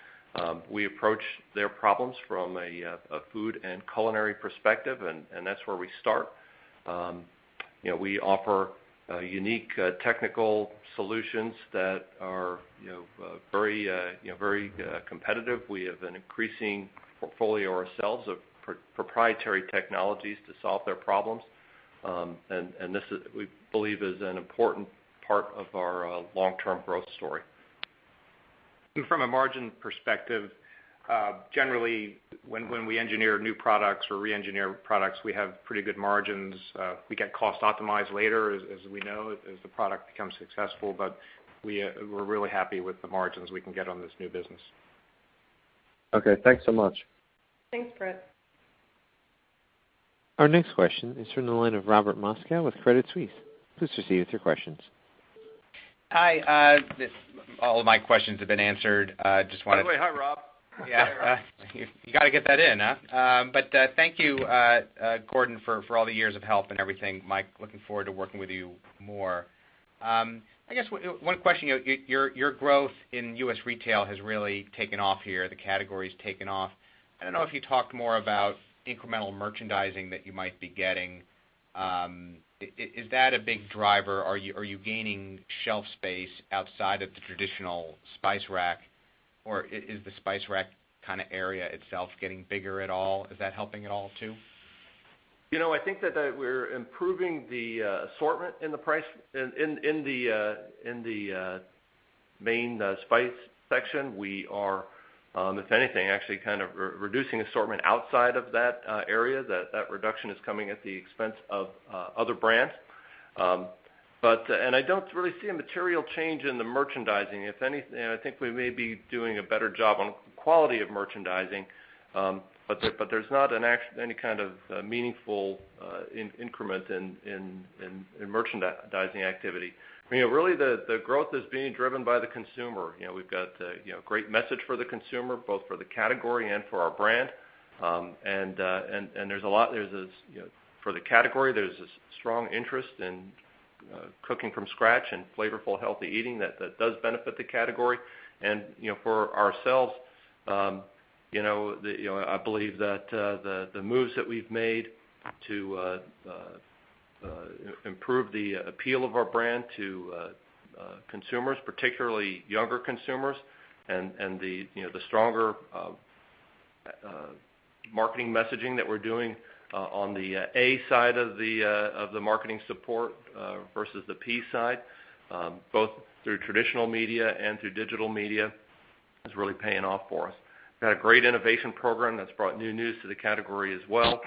We approach their problems from a food and culinary perspective, and that's where we start. We offer unique technical solutions that are very competitive. We have an increasing portfolio ourselves of proprietary technologies to solve their problems. This, we believe, is an important part of our long-term growth story. From a margin perspective, generally, when we engineer new products or re-engineer products, we have pretty good margins. We get cost optimized later, as we know, as the product becomes successful. We're really happy with the margins we can get on this new business. Okay. Thanks so much. Thanks, Brett. Our next question is from the line of Robert Moskow with Credit Suisse. Please proceed with your questions. Hi. All of my questions have been answered. By the way, hi, Rob. Yeah. You got to get that in, huh? Thank you, Gordon, for all the years of help and everything. Mike, looking forward to working with you more. I guess, one question, your growth in U.S. retail has really taken off here. The category's taken off. I don't know if you talked more about incremental merchandising that you might be getting. Is that a big driver? Are you gaining shelf space outside of the traditional spice rack, or is the spice rack area itself getting bigger at all? Is that helping at all, too? I think that we're improving the assortment in the main spice section. We are, if anything, actually kind of reducing assortment outside of that area. That reduction is coming at the expense of other brands. I don't really see a material change in the merchandising. If anything, I think we may be doing a better job on quality of merchandising, there's not any kind of meaningful increment in merchandising activity. Really, the growth is being driven by the consumer. We've got a great message for the consumer, both for the category and for our brand. For the category, there's this strong interest in cooking from scratch and flavorful, healthy eating that does benefit the category. For ourselves, I believe that the moves that we've made to improve the appeal of our brand to consumers, particularly younger consumers, the stronger marketing messaging that we're doing on the A side of the marketing support versus the P side, both through traditional media and through digital media, is really paying off for us. We've got a great innovation program that's brought newness to the category as well.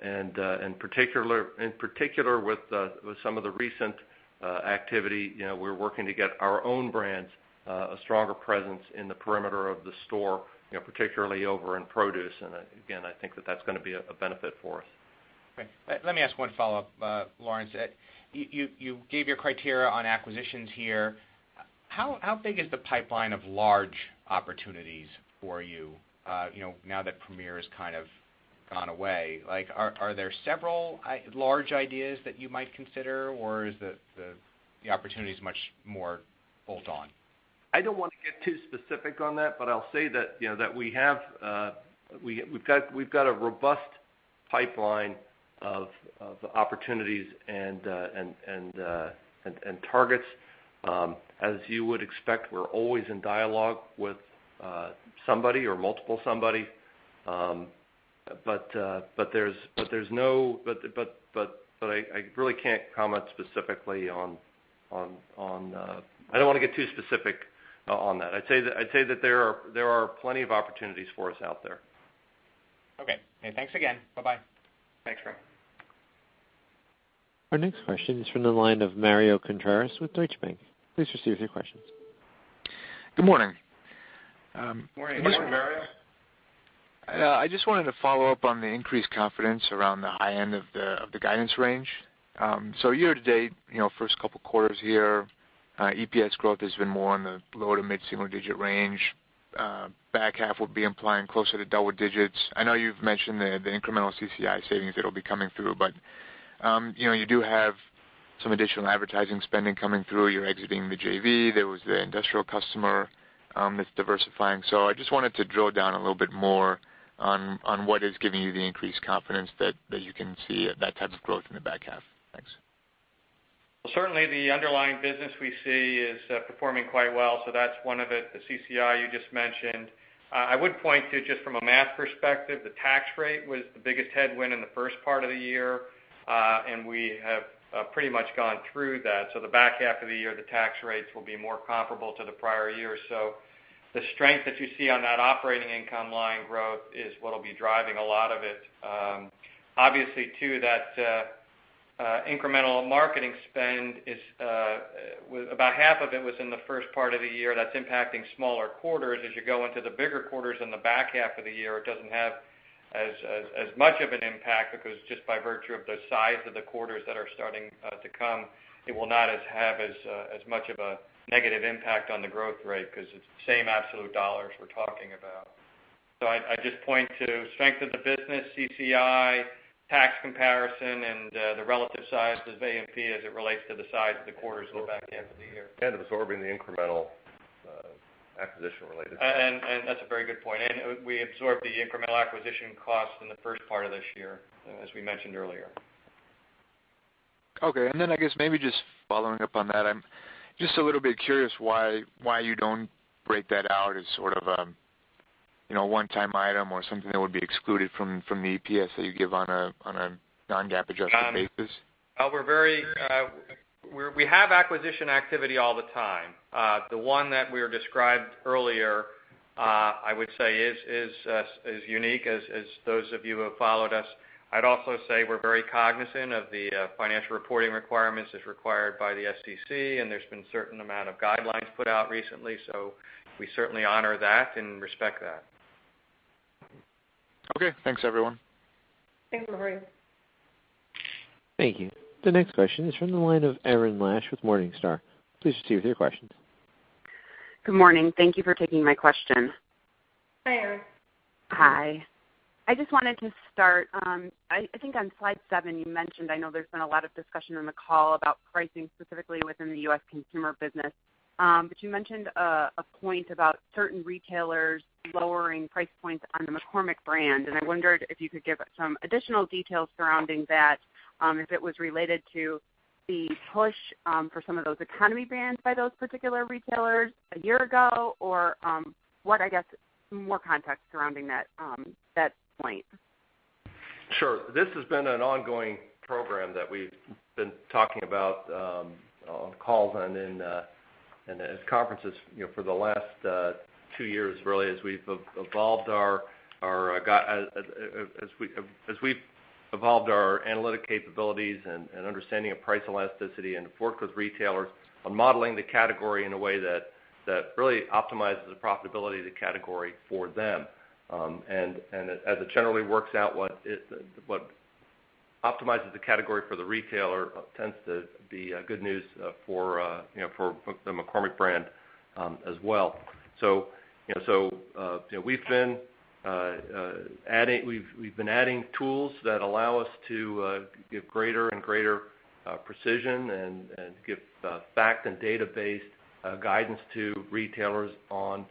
In particular, with some of the recent activity, we're working to get our own brands a stronger presence in the perimeter of the store, particularly over in produce. Again, I think that that's going to be a benefit for us. Okay. Let me ask one follow-up, Lawrence. You gave your criteria on acquisitions here. How big is the pipeline of large opportunities for you now that Premier has kind of gone away? Are there several large ideas that you might consider, or is the opportunities much more bolt-on? I don't want to get too specific on that, but I'll say that we've got a robust pipeline of opportunities and targets. As you would expect, we're always in dialogue with somebody or multiple somebody. I don't want to get too specific on that. I'd say that there are plenty of opportunities for us out there. Okay. Thanks again. Bye-bye. Thanks, Craig. Our next question is from the line of Mario Contreras with Deutsche Bank. Please proceed with your questions. Good morning. Morning. Morning, Mario. I just wanted to follow up on the increased confidence around the high end of the guidance range. Year to date, first couple quarters here, EPS growth has been more on the low- to mid-single digit range. Back half will be implying closer to double digits. I know you've mentioned the incremental CCI savings that'll be coming through, you do have some additional advertising spending coming through. You're exiting the JV. There was the industrial customer that's diversifying. I just wanted to drill down a little bit more on what is giving you the increased confidence that you can see that type of growth in the back half. Thanks. Well, certainly the underlying business we see is performing quite well, that's one of it, the CCI you just mentioned. I would point to, just from a math perspective, the tax rate was the biggest headwind in the first part of the year. We have pretty much gone through that. The back half of the year, the tax rates will be more comparable to the prior year. The strength that you see on that operating income line growth is what'll be driving a lot of it. Obviously too, that incremental marketing spend, about half of it was in the first part of the year. That's impacting smaller quarters. As you go into the bigger quarters in the back half of the year, it doesn't have as much of an impact because just by virtue of the size of the quarters that are starting to come, it will not have as much of a negative impact on the growth rate, because it's the same absolute dollars we're talking about. I'd just point to strength of the business, CCI, tax comparison, and the relative size of A&P as it relates to the size of the quarters in the back end of the year. Absorbing the incremental acquisition related. That's a very good point. We absorbed the incremental acquisition cost in the first part of this year, as we mentioned earlier. Okay, I guess maybe just following up on that, I'm just a little bit curious why you don't break that out as sort of a one-time item or something that would be excluded from the EPS that you give on a non-GAAP adjusted basis. We have acquisition activity all the time. The one that we described earlier, I would say, is as unique as those of you who have followed us. I'd also say we're very cognizant of the financial reporting requirements as required by the SEC, there's been a certain amount of guidelines put out recently. We certainly honor that and respect that. Okay, thanks everyone. Thanks, Mario. Thank you. The next question is from the line of Erin Lash with Morningstar. Please proceed with your questions. Good morning. Thank you for taking my question. Hi, Erin. Hi. I just wanted to start, I think on slide seven you mentioned, I know there's been a lot of discussion on the call about pricing, specifically within the U.S. consumer business. You mentioned a point about certain retailers lowering price points on the McCormick brand, and I wondered if you could give some additional details surrounding that, if it was related to the push for some of those economy brands by those particular retailers a year ago, or what, I guess, some more context surrounding that point. Sure. This has been an ongoing program that we've been talking about on calls and in conferences for the last two years, really, as we've evolved our analytic capabilities and understanding of price elasticity and work with retailers on modeling the category in a way that really optimizes the profitability of the category for them. As it generally works out, what optimizes the category for the retailer tends to be good news for the McCormick brand as well. We've been adding tools that allow us to give greater and greater precision and give fact and data-based guidance to retailers on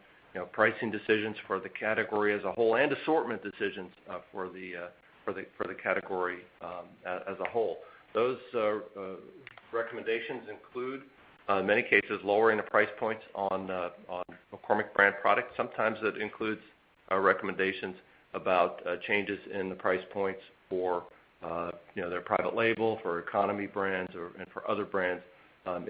pricing decisions for the category as a whole, and assortment decisions for the category as a whole. Those recommendations include, in many cases, lowering the price points on McCormick brand products. Sometimes it includes recommendations about changes in the price points for their private label, for economy brands or for other brands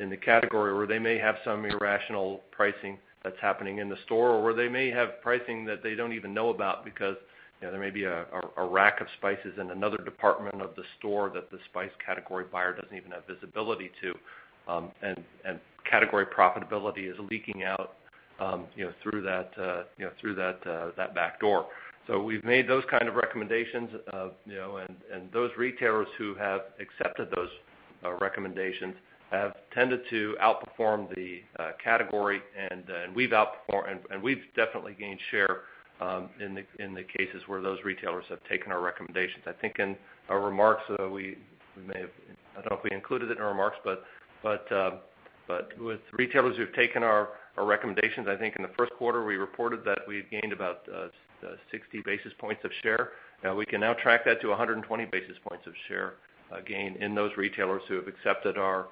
in the category where they may have some irrational pricing that's happening in the store, or where they may have pricing that they don't even know about because there may be a rack of spices in another department of the store that the spice category buyer doesn't even have visibility to, and category profitability is leaking out through that back door. We've made those kind of recommendations, and those retailers who have accepted those recommendations have tended to outperform the category and we've definitely gained share in the cases where those retailers have taken our recommendations. I think in our remarks, I don't know if we included it in our remarks, but with retailers who've taken our recommendations, I think in the first quarter, we reported that we had gained about 60 basis points of share. We can now track that to 120 basis points of share gain in those retailers who have accepted our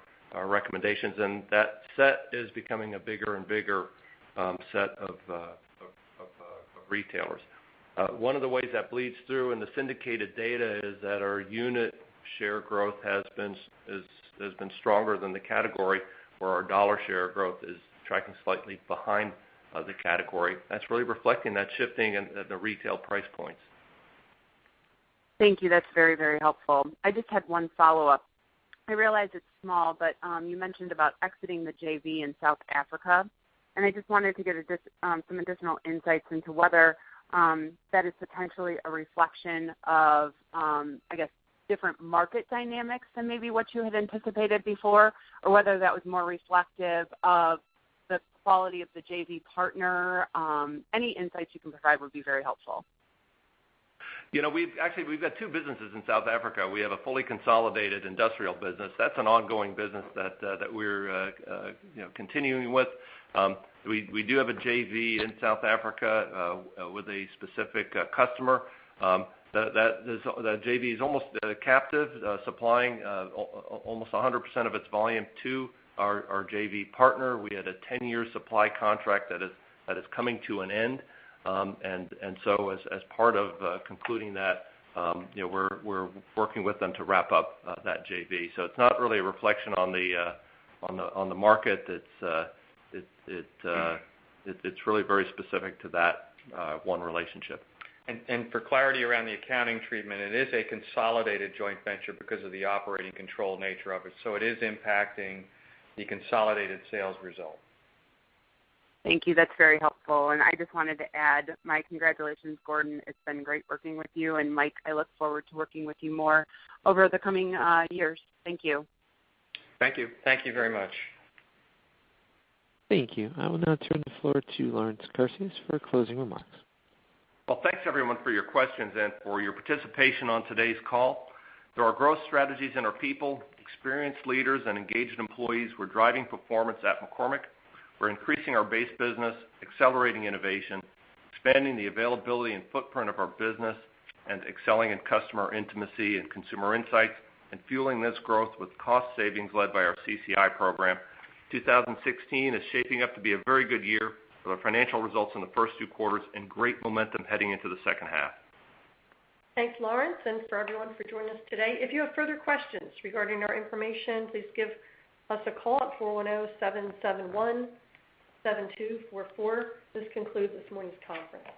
recommendations, and that set is becoming a bigger and bigger set of retailers. One of the ways that bleeds through in the syndicated data is that our unit share growth has been stronger than the category where our dollar share growth is tracking slightly behind the category. That's really reflecting that shifting in the retail price points. Thank you. That's very helpful. I just had one follow-up. I realize it's small, but you mentioned about exiting the JV in South Africa, I just wanted to get some additional insights into whether that is potentially a reflection of different market dynamics than maybe what you had anticipated before, or whether that was more reflective of the quality of the JV partner. Any insights you can provide would be very helpful. Actually, we've got two businesses in South Africa. We have a fully consolidated industrial business. That's an ongoing business that we're continuing with. We do have a JV in South Africa with a specific customer. That JV is almost captive, supplying almost 100% of its volume to our JV partner. We had a 10-year supply contract that is coming to an end. As part of concluding that, we're working with them to wrap up that JV. It's not really a reflection on the market. It's really very specific to that one relationship. For clarity around the accounting treatment, it is a consolidated joint venture because of the operating control nature of it. It is impacting the consolidated sales result. Thank you. That's very helpful. I just wanted to add my congratulations, Gordon. It's been great working with you and Mike, I look forward to working with you more over the coming years. Thank you. Thank you. Thank you very much. Thank you. I will now turn the floor to Lawrence Kurzius for closing remarks. Thanks everyone for your questions and for your participation on today's call. Through our growth strategies and our people, experienced leaders, and engaged employees, we're driving performance at McCormick. We're increasing our base business, accelerating innovation, expanding the availability and footprint of our business, and excelling in customer intimacy and consumer insights, and fueling this growth with cost savings led by our CCI program. 2016 is shaping up to be a very good year for the financial results in the first two quarters and great momentum heading into the second half. Thanks, Lawrence, for everyone for joining us today. If you have further questions regarding our information, please give us a call at 410-771-7244. This concludes this morning's conference.